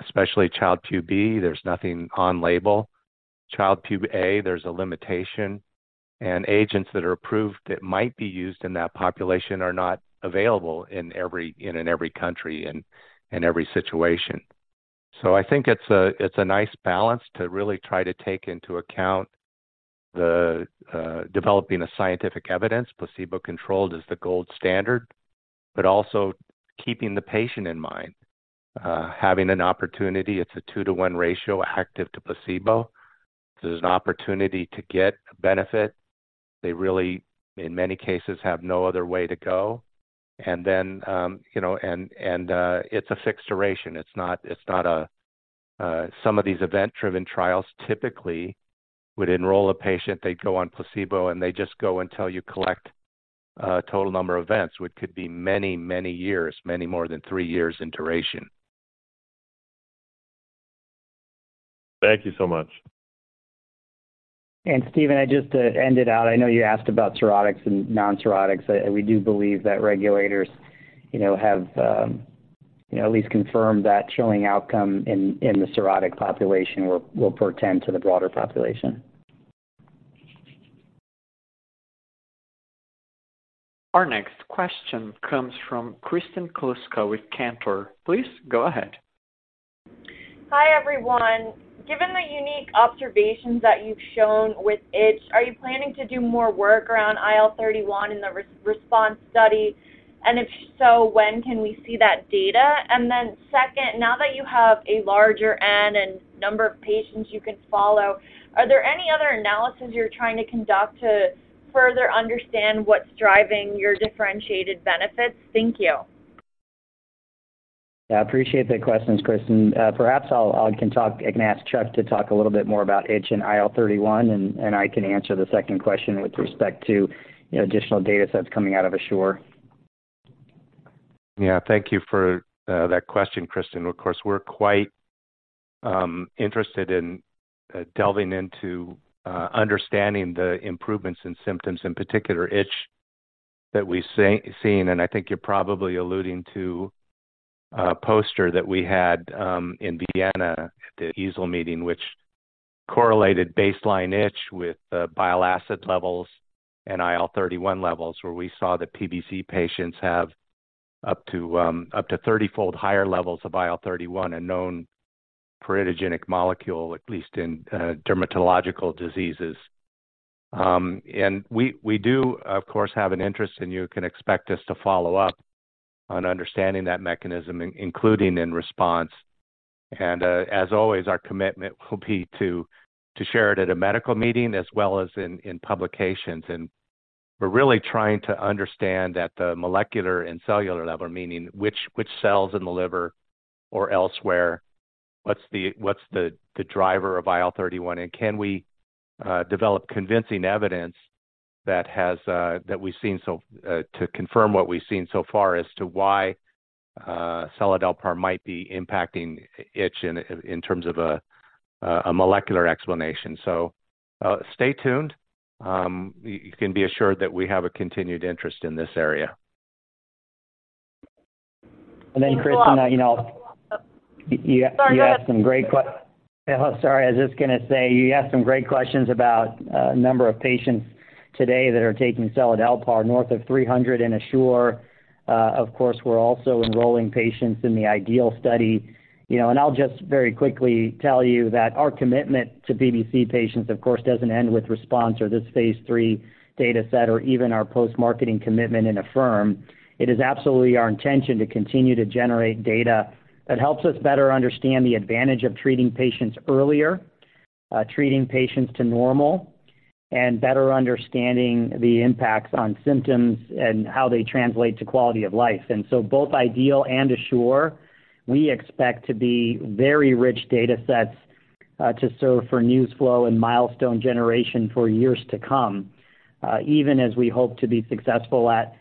especially Child-Pugh B, there's nothing on label. Child-Pugh A, there's a limitation, and agents that are approved that might be used in that population are not available in every, in every country and in every situation. So I think it's a, it's a nice balance to really try to take into account the, developing a scientific evidence. Placebo-controlled is the gold standard, but also keeping the patient in mind. Having an opportunity, it's a 2-to-1 ratio, active to placebo. There's an opportunity to get a benefit. They really, in many cases, have no other way to go. And then, you know, and it's a fixed duration. It's not a some of these event-driven trials typically would enroll a patient, they'd go on placebo, and they just go until you collect total number of events, which could be many, many years, many more than three years in duration. Thank you so much. Steven, I just left out. I know you asked about cirrhotics and non-cirrhotics. We do believe that regulators, you know, have, you know, at least confirmed that showing outcome in the cirrhotic population will portend to the broader population. Our next question comes from Kristen Kluska with Cantor. Please go ahead. Hi, everyone. Given the unique observations that you've shown with itch, are you planning to do more work around IL-31 in the RESPONSE study? And if you-... So when can we see that data? And then second, now that you have a larger N and number of patients you can follow, are there any other analysis you're trying to conduct to further understand what's driving your differentiated benefits? Thank you. Yeah, I appreciate the questions, Kristen. Perhaps I can ask Chuck to talk a little bit more about itch and IL-31, and I can answer the second question with respect to, you know, additional data sets coming out of ASSURE. Yeah, thank you for that question, Kristen. Of course, we're quite interested in delving into understanding the improvements in symptoms, in particular, itch that we've seen. And I think you're probably alluding to a poster that we had in Vienna, the EASL meeting, which correlated baseline itch with bile acid levels and IL-31 levels, where we saw that PBC patients have up to 30-fold higher levels of IL-31, a known pruritic molecule, at least in dermatological diseases. And we do, of course, have an interest, and you can expect us to follow up on understanding that mechanism, including in RESPONSE. And as always, our commitment will be to share it at a medical meeting as well as in publications. We're really trying to understand at the molecular and cellular level, meaning which cells in the liver or elsewhere, what's the driver of IL-31? And can we develop convincing evidence to confirm what we've seen so far as to why seladelpar might be impacting itch in terms of a molecular explanation. So, stay tuned. You can be assured that we have a continued interest in this area. Then, Kristen, you know- Sorry, go ahead. You asked some great questions about number of patients today that are taking seladelpar, north of 300 in ASSURE. Of course, we're also enrolling patients in the IDEAL study. You know, and I'll just very quickly tell you that our commitment to PBC patients, of course, doesn't end with RESPONSE or this phase 3 data set or even our post-marketing commitment in AFFIRM. It is absolutely our intention to continue to generate data that helps us better understand the advantage of treating patients earlier, treating patients to normal, and better understanding the impacts on symptoms and how they translate to quality of life. And so both IDEAL and ASSURE, we expect to be very rich data sets to serve for news flow and milestone generation for years to come. Even as we hope to be successful at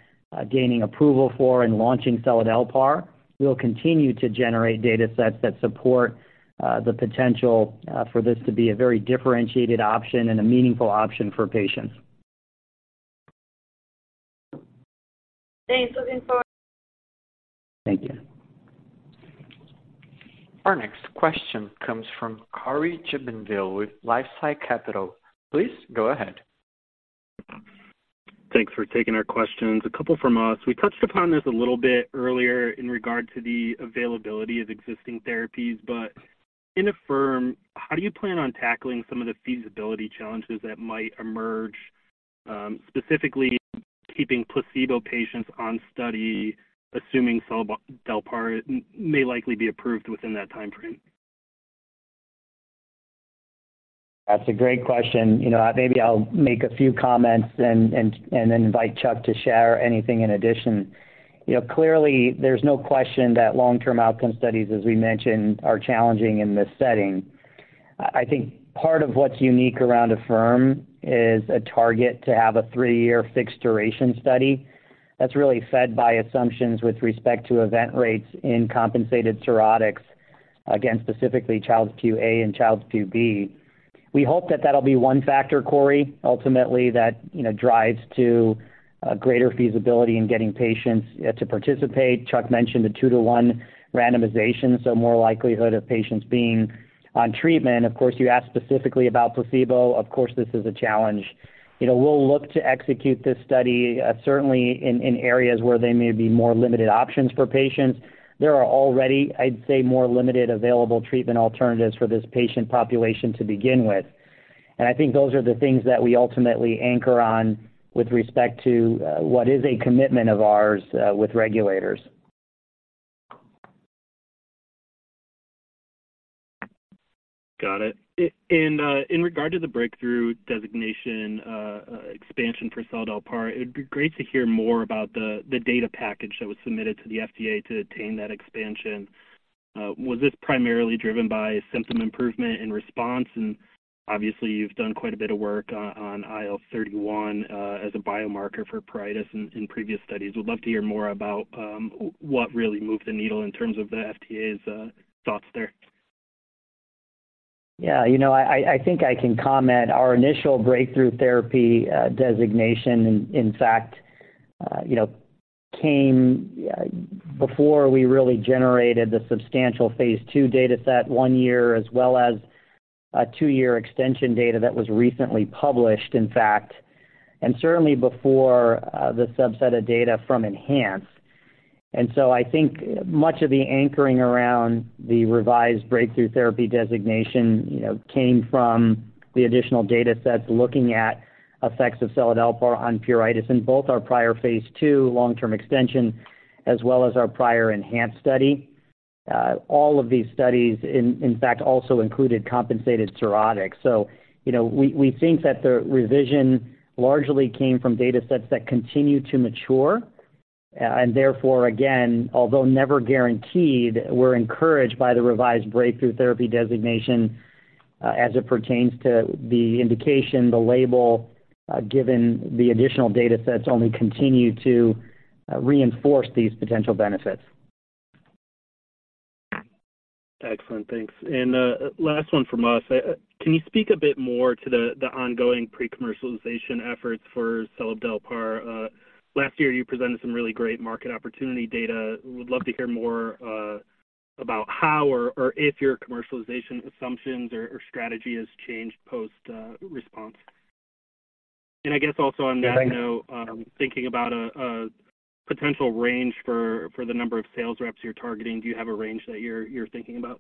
gaining approval for and launching seladelpar, we'll continue to generate data sets that support the potential for this to be a very differentiated option and a meaningful option for patients. Thanks. Looking forward. Thank you. Our next question comes from Cory Jubinville with LifeSci Capital. Please go ahead. Thanks for taking our questions. A couple from us. We touched upon this a little bit earlier in regard to the availability of existing therapies, but in AFFIRM, how do you plan on tackling some of the feasibility challenges that might emerge, specifically keeping placebo patients on study, assuming seladelpar may likely be approved within that timeframe? That's a great question. You know, maybe I'll make a few comments and then invite Chuck to share anything in addition. You know, clearly, there's no question that long-term outcome studies, as we mentioned, are challenging in this setting. I think part of what's unique around AFFIRM is a target to have a three-year fixed-duration study. That's really fed by assumptions with respect to event rates in compensated cirrhotics, again, specifically, Child-Pugh A and Child-Pugh B. We hope that that'll be one factor, Corey, ultimately, that, you know, drives to a greater feasibility in getting patients to participate. Chuck mentioned a 2-to-1 randomization, so more likelihood of patients being on treatment. Of course, you asked specifically about placebo. Of course, this is a challenge. You know, we'll look to execute this study certainly in areas where there may be more limited options for patients. There are already, I'd say, more limited available treatment alternatives for this patient population to begin with. I think those are the things that we ultimately anchor on with respect to what is a commitment of ours with regulators. Got it. In regard to the breakthrough designation expansion for seladelpar, it would be great to hear more about the data package that was submitted to the FDA to attain that expansion. Was this primarily driven by symptom improvement in RESPONSE? And obviously, you've done quite a bit of work on IL-31 as a biomarker for pruritus in previous studies. Would love to hear more about what really moved the needle in terms of the FDA's thoughts there. Yeah, you know, I think I can comment. Our initial breakthrough therapy designation, in fact, you know, came before we really generated the substantial phase 2 data set, 1-year, as well as a 2-year extension data that was recently published, in fact, and certainly before the subset of data from ENHANCE. So I think much of the anchoring around the revised breakthrough therapy designation, you know, came from the additional data sets, looking at effects of seladelpar on pruritus in both our prior phase 2 long-term extension, as well as our prior ENHANCE study. All of these studies, in fact, also included compensated cirrhotic. So, you know, we think that the revision largely came from data sets that continue to mature. And therefore, again, although never guaranteed, we're encouraged by the revised Breakthrough Therapy Designation, as it pertains to the indication, the label, given the additional data sets only continue to reinforce these potential benefits. Excellent, thanks. And, last one from us. Can you speak a bit more to the ongoing pre-commercialization efforts for seladelpar? Last year, you presented some really great market opportunity data. Would love to hear more, about how or if your commercialization assumptions or strategy has changed post, response. And I guess also on that note- Thanks. Thinking about a potential range for the number of sales reps you're targeting, do you have a range that you're thinking about?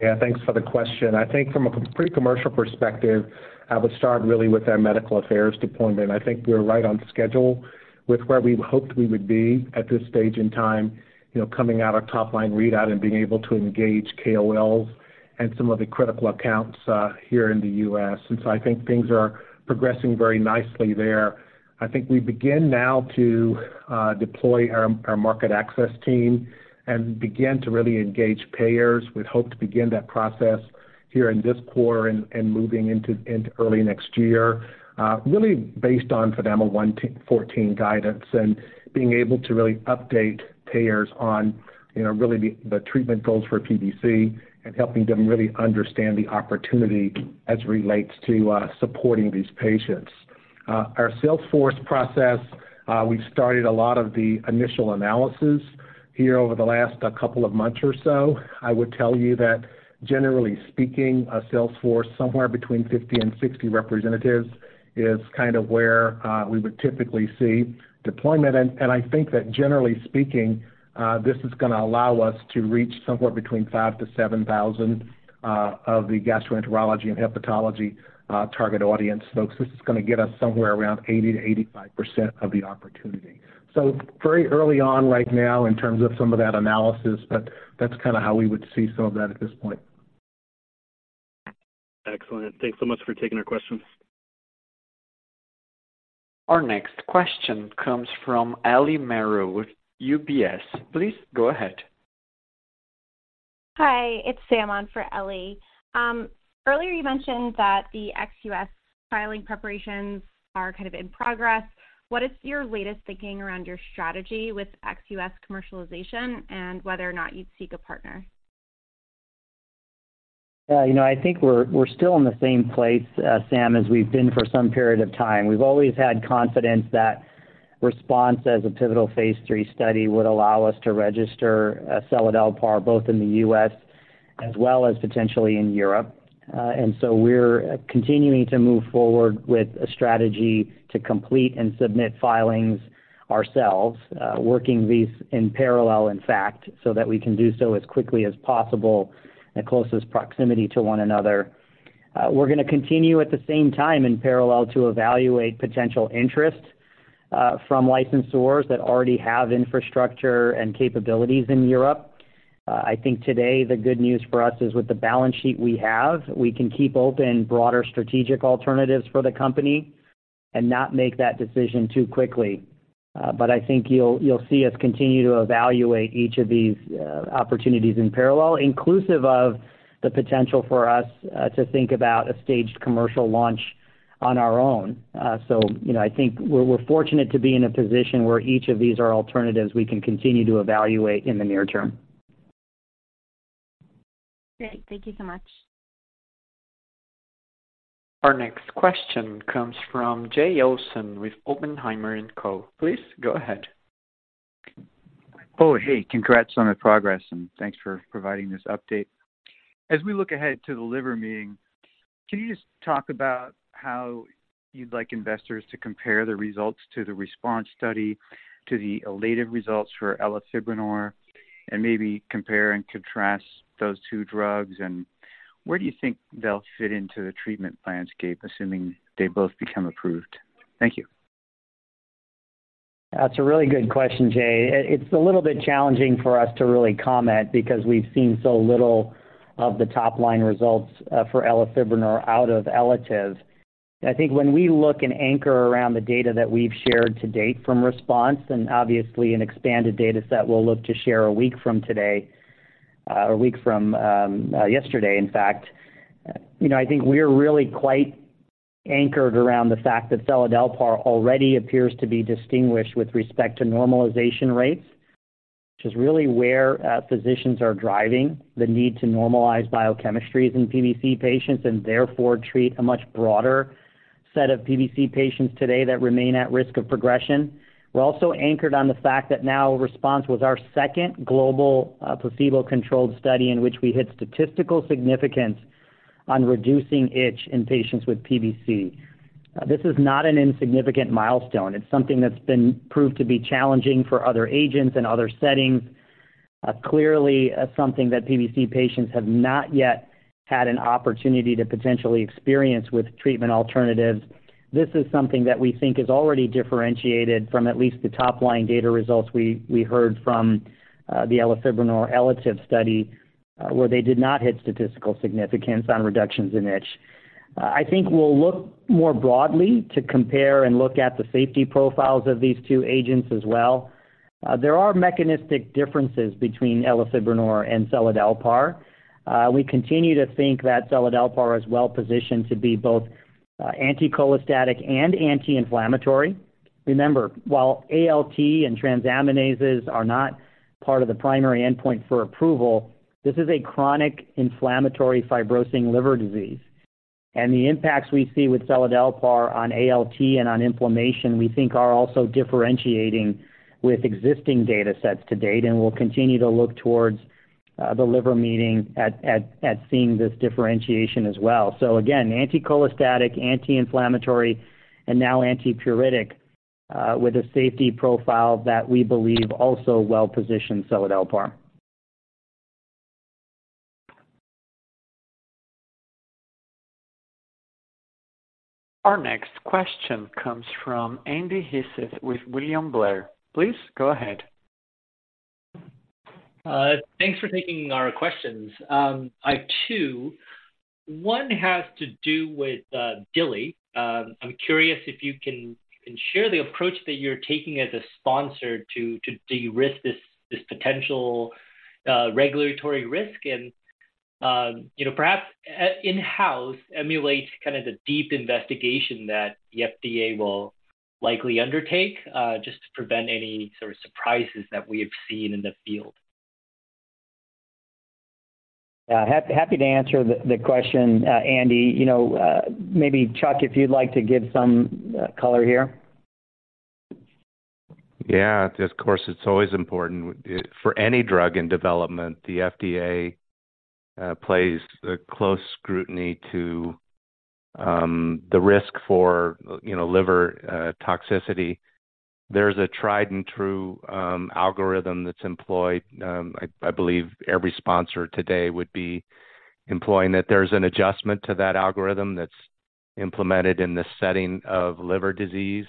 Yeah, thanks for the question. I think from a pre-commercial perspective, I would start really with our medical affairs deployment. I think we're right on schedule with where we hoped we would be at this stage in time, you know, coming out of top line readout and being able to engage KOLs and some of the critical accounts, here in the U.S. And so I think things are progressing very nicely there. I think we begin now to deploy our market access team and begin to really engage payers. We'd hope to begin that process here in this quarter and moving into early next year, really based on FDA 114 guidance and being able to really update payers on, you know, really the treatment goals for PBC and helping them really understand the opportunity as it relates to supporting these patients. Our sales force process, we've started a lot of the initial analysis here over the last couple of months or so. I would tell you that generally speaking, a sales force, somewhere between 50 and 60 representatives, is kind of where we would typically see deployment. And I think that generally speaking, this is gonna allow us to reach somewhere between 5,000-7,000 of the gastroenterology and hepatology target audience folks. This is gonna get us somewhere around 80%-85% of the opportunity. So very early on right now in terms of some of that analysis, but that's kinda how we would see some of that at this point. Excellent. Thanks so much for taking our questions. Our next question comes from Ellie Merle with UBS. Please go ahead. Hi, it's Sam on for Ellie. Earlier you mentioned that the ex-US filing preparations are kind of in progress. What is your latest thinking around your strategy with ex-US commercialization and whether or not you'd seek a partner? Yeah, you know, I think we're still in the same place, Sam, as we've been for some period of time. We've always had confidence that RESPONSE as a pivotal Phase III study would allow us to register seladelpar, both in the U.S. as well as potentially in Europe. And so we're continuing to move forward with a strategy to complete and submit filings ourselves, working these in parallel, in fact, so that we can do so as quickly as possible and closest proximity to one another. We're gonna continue at the same time in parallel, to evaluate potential interest from licensors that already have infrastructure and capabilities in Europe. I think today the good news for us is with the balance sheet we have, we can keep open broader strategic alternatives for the company and not make that decision too quickly. But I think you'll see us continue to evaluate each of these opportunities in parallel, inclusive of the potential for us to think about a staged commercial launch on our own. So, you know, I think we're fortunate to be in a position where each of these are alternatives we can continue to evaluate in the near term. Great. Thank you so much. Our next question comes from Jay Olson with Oppenheimer & Co. Please go ahead. Oh, hey, congrats on the progress, and thanks for providing this update. As we look ahead to the Liver Meeting, can you just talk about how you'd like investors to compare the results to the RESPONSE study, to the ELATIVE results for elafibranor, and maybe compare and contrast those two drugs, and where do you think they'll fit into the treatment landscape, assuming they both become approved? Thank you. That's a really good question, Jay. It's a little bit challenging for us to really comment because we've seen so little of the top-line results for elafibranor out of ELATIVE. I think when we look and anchor around the data that we've shared to date from RESPONSE, and obviously an expanded dataset we'll look to share a week from today, a week from yesterday, in fact. You know, I think we're really quite anchored around the fact that seladelpar already appears to be distinguished with respect to normalization rates, which is really where physicians are driving the need to normalize biochemistry in PBC patients and therefore treat a much broader set of PBC patients today that remain at risk of progression. We're also anchored on the fact that now RESPONSE was our second global, placebo-controlled study, in which we hit statistical significance on reducing itch in patients with PBC. This is not an insignificant milestone. It's something that's been proved to be challenging for other agents in other settings. Clearly, something that PBC patients have not yet had an opportunity to potentially experience with treatment alternatives. This is something that we think is already differentiated from at least the top-line data results we heard from, the elafibranor ELATIVE study, where they did not hit statistical significance on reductions in itch. I think we'll look more broadly to compare and look at the safety profiles of these two agents as well. There are mechanistic differences between elafibranor and seladelpar. We continue to think that seladelpar is well positioned to be both, anti-cholestatic and anti-inflammatory. Remember, while ALT and transaminases are not part of the primary endpoint for approval, this is a chronic inflammatory fibrosing liver disease. And the impacts we see with seladelpar on ALT and on inflammation, we think are also differentiating with existing datasets to date. And we'll continue to look towards the Liver Meeting at seeing this differentiation as well. So again, anti-cholestatic, anti-inflammatory, and now antipruritic, with a safety profile that we believe also well-positioned seladelpar. Our next question comes from Andy Hsieh with William Blair. Please go ahead. Thanks for taking our questions. I have two. One has to do with DILI. I'm curious if you can share the approach that you're taking as a sponsor to de-risk this potential regulatory risk and, you know, perhaps in-house emulate kind of the deep investigation that the FDA will likely undertake, just to prevent any sort of surprises that we have seen in the field. Yeah, happy to answer the question, Andy. You know, maybe, Chuck, if you'd like to give some color here. Yeah, of course, it's always important. For any drug in development, the FDA plays a close scrutiny to the risk for, you know, liver toxicity. There's a tried-and-true algorithm that's employed. I believe every sponsor today would be employing that. There's an adjustment to that algorithm that's implemented in the setting of liver disease,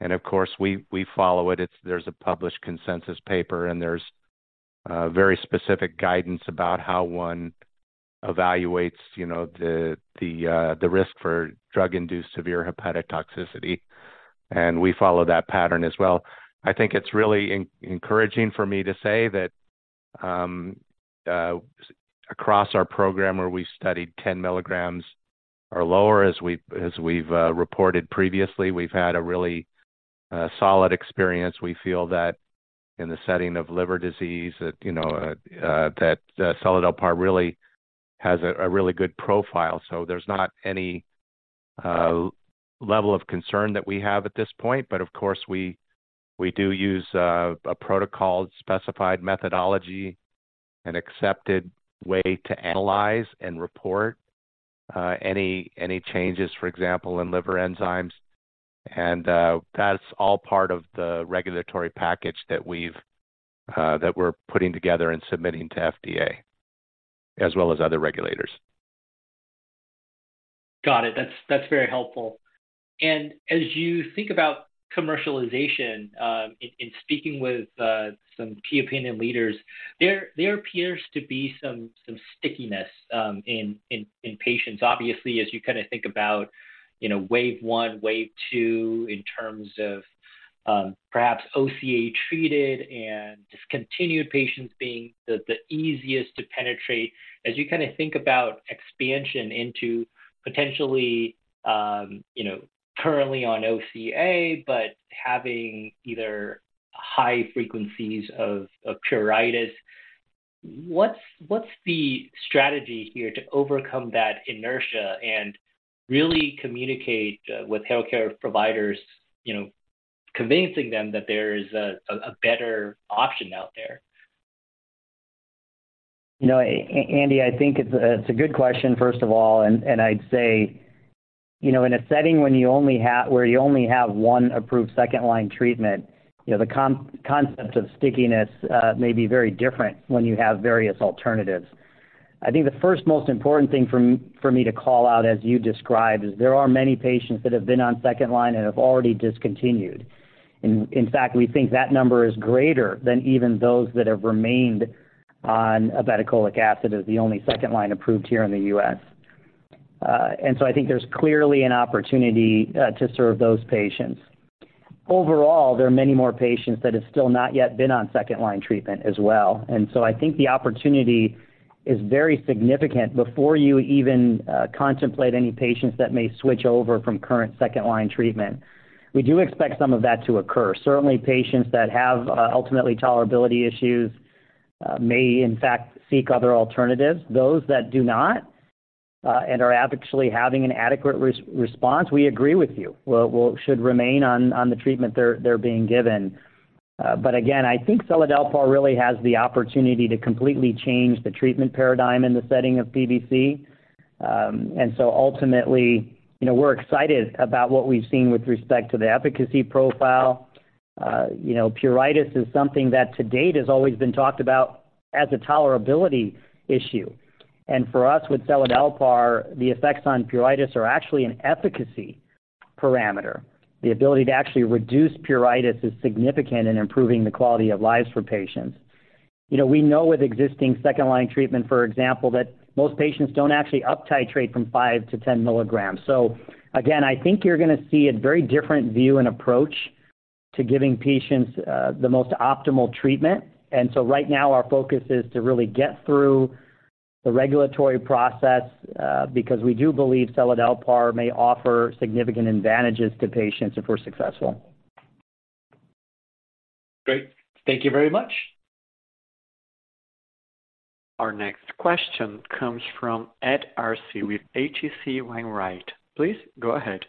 and of course, we follow it. There's a published consensus paper, and there's very specific guidance about how one evaluates, you know, the risk for drug-induced severe hepatic toxicity, and we follow that pattern as well. I think it's really encouraging for me to say that, across our program, where we studied 10 milligrams or lower, as we've reported previously, we've had a really solid experience. We feel that in the setting of liver disease, that you know that seladelpar really has a really good profile. So there's not any level of concern that we have at this point. But of course, we do use a protocol-specified methodology, an accepted way to analyze and report any changes, for example, in liver enzymes. And that's all part of the regulatory package that we're putting together and submitting to FDA, as well as other regulators. Got it. That's, that's very helpful. And as you think about commercialization, in speaking with some key opinion leaders, there appears to be some stickiness in patients. Obviously, as you kinda think about, you know, wave one, wave two, in terms of, perhaps OCA-treated and discontinued patients being the easiest to penetrate. As you kinda think about expansion into potentially, you know, currently on OCA, but having either high frequencies of pruritus, what's the strategy here to overcome that inertia and really communicate with healthcare providers, you know, convincing them that there is a better option out there? You know, Andy, I think it's a good question, first of all, and I'd say, you know, in a setting where you only have one approved second-line treatment, you know, the concept of stickiness may be very different when you have various alternatives. I think the first most important thing for me to call out, as you described, is there are many patients that have been on second line and have already discontinued. In fact, we think that number is greater than even those that have remained on ursodeoxycholic acid as the only second line approved here in the U.S. And so I think there's clearly an opportunity to serve those patients. Overall, there are many more patients that have still not yet been on second line treatment as well, and so I think the opportunity is very significant before you even contemplate any patients that may switch over from current second line treatment. We do expect some of that to occur. Certainly, patients that have ultimately tolerability issues may in fact seek other alternatives. Those that do not and are actually having an adequate response, we agree with you, will should remain on the treatment they're being given. But again, I think seladelpar really has the opportunity to completely change the treatment paradigm in the setting of PBC.... And so ultimately, you know, we're excited about what we've seen with respect to the efficacy profile. You know, pruritus is something that, to date, has always been talked about as a tolerability issue. For us, with seladelpar, the effects on pruritus are actually an efficacy parameter. The ability to actually reduce pruritus is significant in improving the quality of lives for patients. You know, we know with existing second-line treatment, for example, that most patients don't actually uptitrate from 5-10 milligrams. Again, I think you're gonna see a very different view and approach to giving patients the most optimal treatment. So right now, our focus is to really get through the regulatory process, because we do believe seladelpar may offer significant advantages to patients if we're successful. Great. Thank you very much. Our next question comes from Ed Arce with H.C. Wainwright. Please go ahead.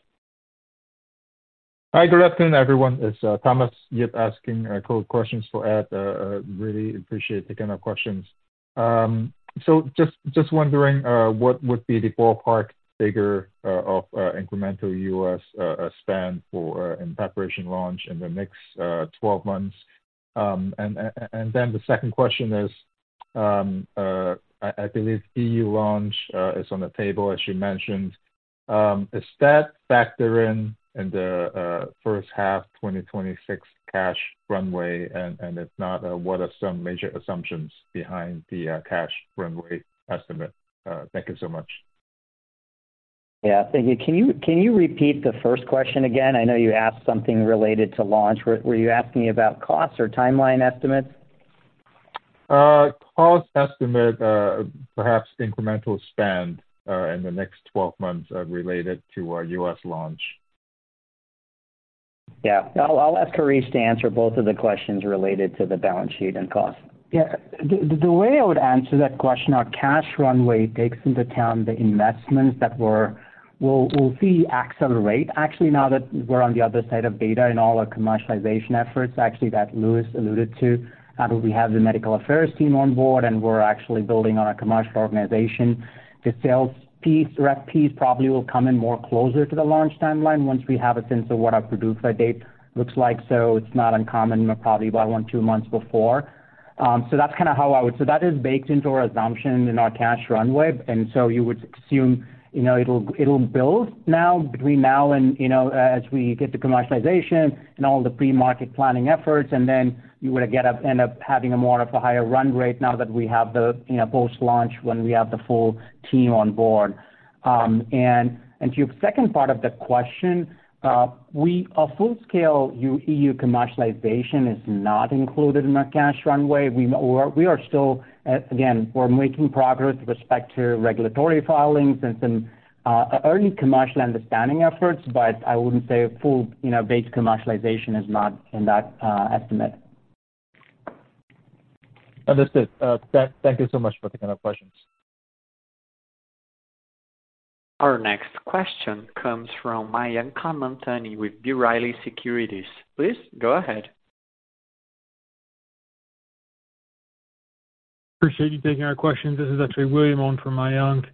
Hi, good afternoon, everyone. It's Thomas Yip asking a couple questions for Ed. Really appreciate taking our questions. So just wondering what would be the ballpark figure of incremental U.S. spend for in preparation launch in the next 12 months? And then the second question is, I believe EU launch is on the table, as you mentioned. Does that factor in the first half 2026 cash runway? And if not, what are some major assumptions behind the cash runway estimate? Thank you so much. Yeah, thank you. Can you repeat the first question again? I know you asked something related to launch. Were you asking about costs or timeline estimates? Cost estimate, perhaps incremental spend, in the next 12 months, related to a US launch? Yeah. I'll ask Harish to answer both of the questions related to the balance sheet and cost. Yeah. The way I would answer that question, our cash runway takes into account the investments that we'll see accelerate actually, now that we're on the other side of data and all our commercialization efforts, actually, that Lewis alluded to. Now that we have the medical affairs team on board, and we're actually building on our commercial organization, the sales piece, rep piece, probably will come in more closer to the launch timeline once we have a sense of what our PDUFA date looks like. So it's not uncommon, probably by one, two months before. So that's kind of how I would... So that is baked into our assumption in our cash runway. And so you would assume, you know, it'll build now between now and, you know, as we get to commercialization and all the pre-market planning efforts, and then you would get up, end up having a more of a higher run rate now that we have the, you know, post-launch, when we have the full team on board. And to your second part of the question, a full-scale EU commercialization is not included in our cash runway. We are still, again, we're making progress with respect to regulatory filings and some early commercial understanding efforts, but I wouldn't say a full, you know, base commercialization is not in that estimate. Understood. Thank you so much for taking our questions. Our next question comes from Mayank Mamtani with B. Riley Securities. Please go ahead. Appreciate you taking our questions. This is actually William on for Mayank.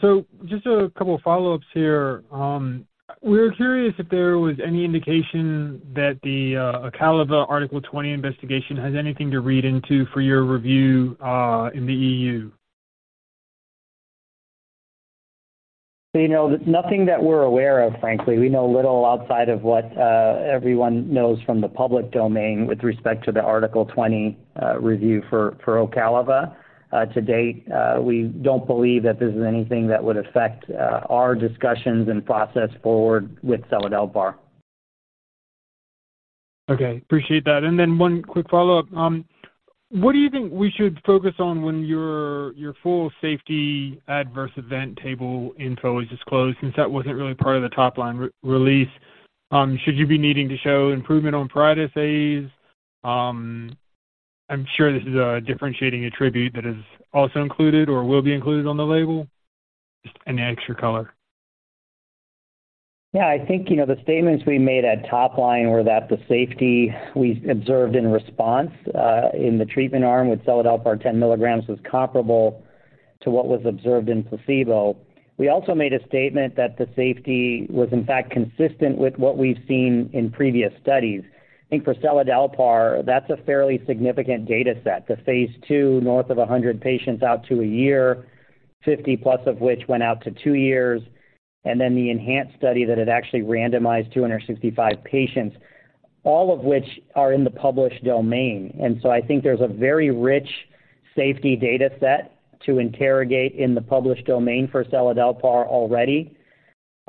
So just a couple follow-ups here. We were curious if there was any indication that the Ocaliva Article 20 investigation has anything to read into for your review in the EU? You know, nothing that we're aware of, frankly. We know little outside of what everyone knows from the public domain with respect to the Article 20 review for Ocaliva. To date, we don't believe that this is anything that would affect our discussions and process forward with seladelpar. Okay, appreciate that. And then one quick follow-up. What do you think we should focus on when your full safety adverse event table info is disclosed, since that wasn't really part of the top-line re-release? Should you be needing to show improvement on pruritus AEs? I'm sure this is a differentiating attribute that is also included or will be included on the label. Just any extra color. Yeah, I think, you know, the statements we made at top line were that the safety we observed in RESPONSE, in the treatment arm with seladelpar 10 milligrams was comparable to what was observed in placebo. We also made a statement that the safety was, in fact, consistent with what we've seen in previous studies. I think for seladelpar, that's a fairly significant data set. The phase 2, north of 100 patients out to a year, 50-plus of which went out to two years, and then the ENHANCE study that had actually randomized 265 patients, all of which are in the published domain. And so I think there's a very rich safety data set to interrogate in the published domain for seladelpar already.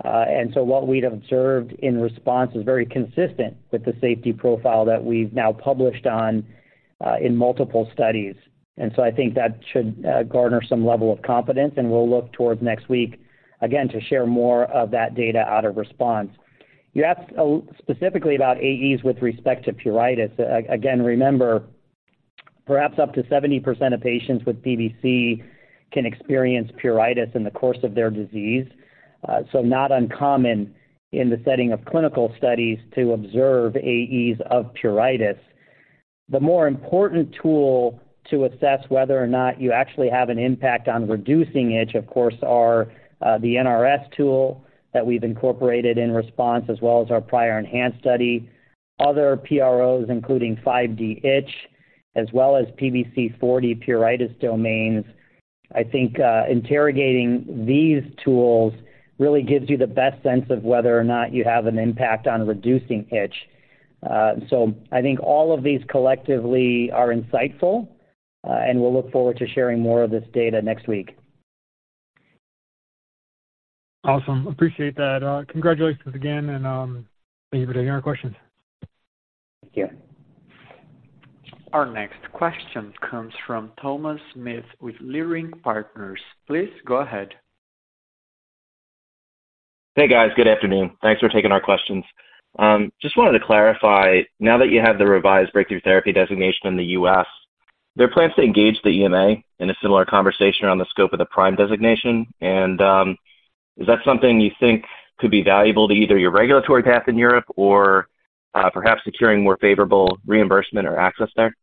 And so what we'd observed in RESPONSE is very consistent with the safety profile that we've now published on in multiple studies. And so I think that should garner some level of confidence, and we'll look towards next week, again, to share more of that data out of RESPONSE. You asked specifically about AEs with respect to pruritus. Again, remember, perhaps up to 70% of patients with PBC can experience pruritus in the course of their disease. So not uncommon in the setting of clinical studies to observe AEs of pruritus. The more important tool to assess whether or not you actually have an impact on reducing itch, of course, are the NRS tool that we've incorporated in RESPONSE, as well as our prior ENHANCE study. Other PROs, including 5-D Itch, as well as PBC-40 pruritus domains. I think, interrogating these tools really gives you the best sense of whether or not you have an impact on reducing itch. So I think all of these collectively are insightful, and we'll look forward to sharing more of this data next week. Awesome. Appreciate that. Congratulations again, and thank you for taking our questions. Thank you. Our next question comes from Thomas Smith with Leerink Partners. Please go ahead. Hey, guys. Good afternoon. Thanks for taking our questions. Just wanted to clarify, now that you have the revised Breakthrough Therapy Designation in the U.S., are there plans to engage the EMA in a similar conversation around the scope of the PRIME designation? And, is that something you think could be valuable to either your regulatory path in Europe or, perhaps securing more favorable reimbursement or access there?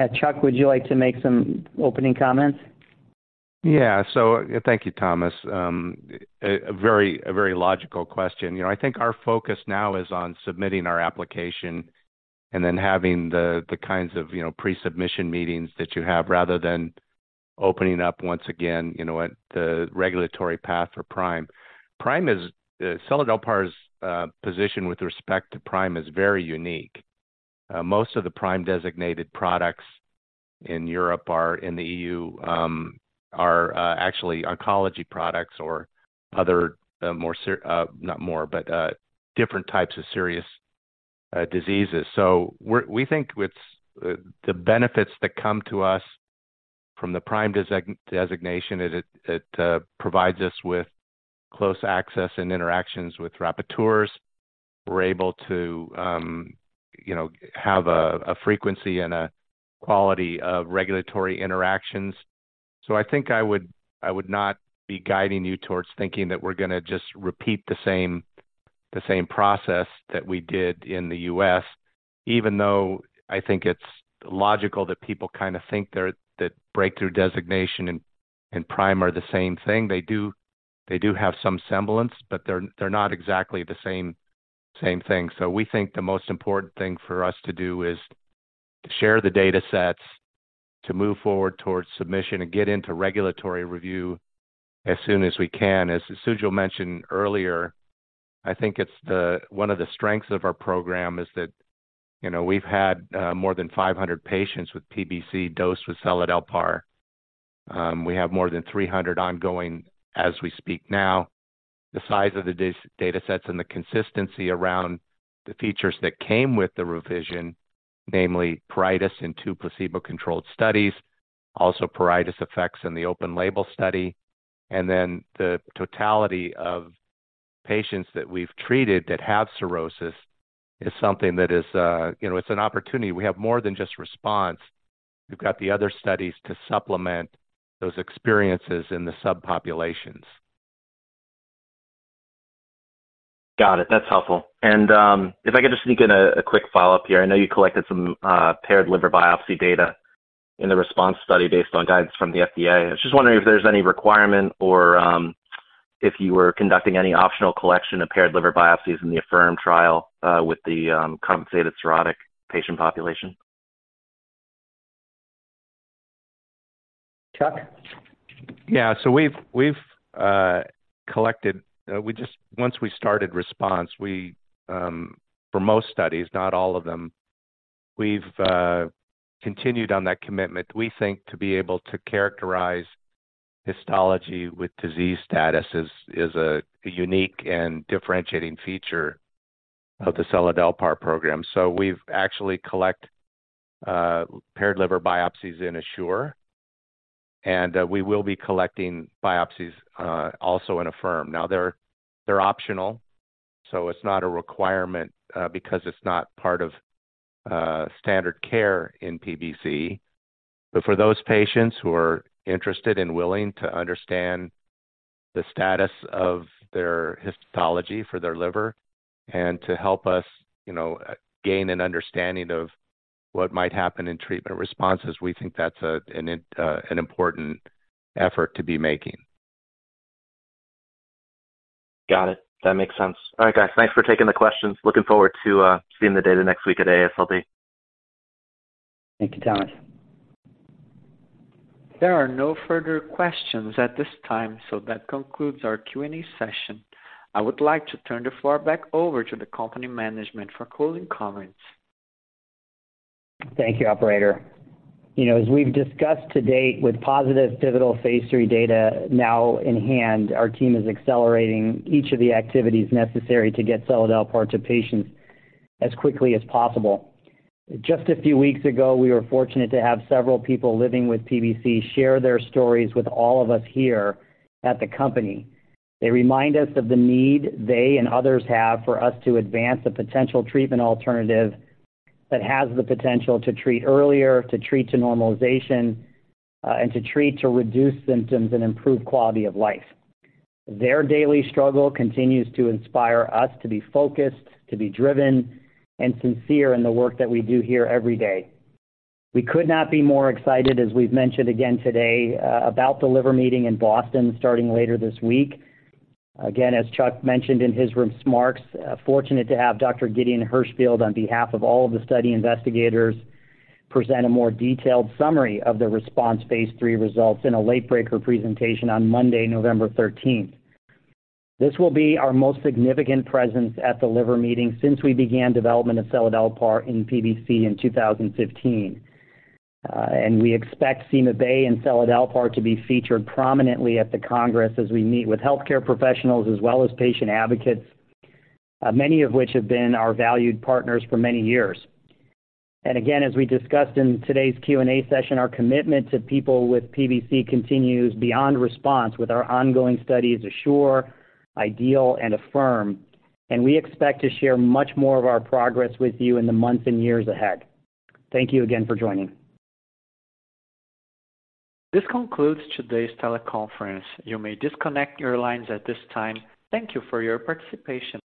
Yeah. Chuck, would you like to make some opening comments? Yeah. So thank you, Thomas. A very logical question. You know, I think our focus now is on submitting our application and then having the kinds of, you know, pre-submission meetings that you have, rather than opening up once again, you know, at the regulatory path for PRIME. PRIME is seladelpar's position with respect to PRIME is very unique. Most of the PRIME designated products in Europe are, in the EU, actually oncology products or other, more, not more, but different types of serious diseases. So we think with the benefits that come to us from the PRIME designation, it provides us with close access and interactions with rapporteurs. We're able to, you know, have a frequency and a quality of regulatory interactions. So I think I would, I would not be guiding you towards thinking that we're gonna just repeat the same, the same process that we did in the U.S., even though I think it's logical that people kind of think they're, that breakthrough designation and, and PRIME are the same thing. They do, they do have some semblance, but they're, they're not exactly the same, same thing. So we think the most important thing for us to do is to share the datasets, to move forward towards submission and get into regulatory review as soon as we can. As Sujal mentioned earlier, I think it's the... One of the strengths of our program is that, you know, we've had more than 500 patients with PBC dosed with seladelpar. We have more than 300 ongoing as we speak now. The size of the datasets and the consistency around the features that came with the revision, namely pruritus in two placebo-controlled studies, also pruritus effects in the open-label study, and then the totality of patients that we've treated that have cirrhosis, is something that is, you know, it's an opportunity. We have more than just response. We've got the other studies to supplement those experiences in the subpopulations. Got it. That's helpful. If I could just sneak in a quick follow-up here. I know you collected some paired liver biopsy data in the RESPONSE study based on guidance from the FDA. I was just wondering if there's any requirement or if you were conducting any optional collection of paired liver biopsies in the AFFIRM trial with the compensated cirrhotic patient population? Chuck? Yeah. So we've collected once we started RESPONSE, for most studies, not all of them, we've continued on that commitment. We think to be able to characterize histology with disease status is a unique and differentiating feature of the seladelpar program. So we've actually collected paired liver biopsies in ASSURE, and we will be collecting biopsies also in AFFIRM. Now, they're optional, so it's not a requirement because it's not part of standard care in PBC. But for those patients who are interested and willing to understand the status of their histology for their liver and to help us, you know, gain an understanding of what might happen in treatment responses, we think that's an important effort to be making. Got it. That makes sense. All right, guys. Thanks for taking the questions. Looking forward to seeing the data next week at AASLD. Thank you, Thomas. There are no further questions at this time, so that concludes our Q&A session. I would like to turn the floor back over to the company management for closing comments. Thank you, operator. You know, as we've discussed to date, with positive pivotal phase 3 data now in hand, our team is accelerating each of the activities necessary to get seladelpar to patients as quickly as possible. Just a few weeks ago, we were fortunate to have several people living with PBC share their stories with all of us here at the company. They remind us of the need they and others have for us to advance a potential treatment alternative that has the potential to treat earlier, to treat to normalization, and to treat to reduce symptoms and improve quality of life. Their daily struggle continues to inspire us to be focused, to be driven and sincere in the work that we do here every day. We could not be more excited, as we've mentioned again today, about The Liver Meeting in Boston, starting later this week. Again, as Chuck mentioned in his remarks, fortunate to have Dr. Gideon Hirschfield, on behalf of all of the study investigators, present a more detailed summary of the RESPONSE Phase 3 results in a late-breaker presentation on Monday, November thirteenth. This will be our most significant presence at the Liver Meeting since we began development of seladelpar in PBC in 2015. And we expect CymaBay and seladelpar to be featured prominently at the Congress as we meet with healthcare professionals as well as patient advocates, many of which have been our valued partners for many years. And again, as we discussed in today's Q&A session, our commitment to people with PBC continues beyond RESPONSE with our ongoing studies, ASSURE, IDEAL, and AFFIRM, and we expect to share much more of our progress with you in the months and years ahead. Thank you again for joining. This concludes today's teleconference. You may disconnect your lines at this time. Thank you for your participation.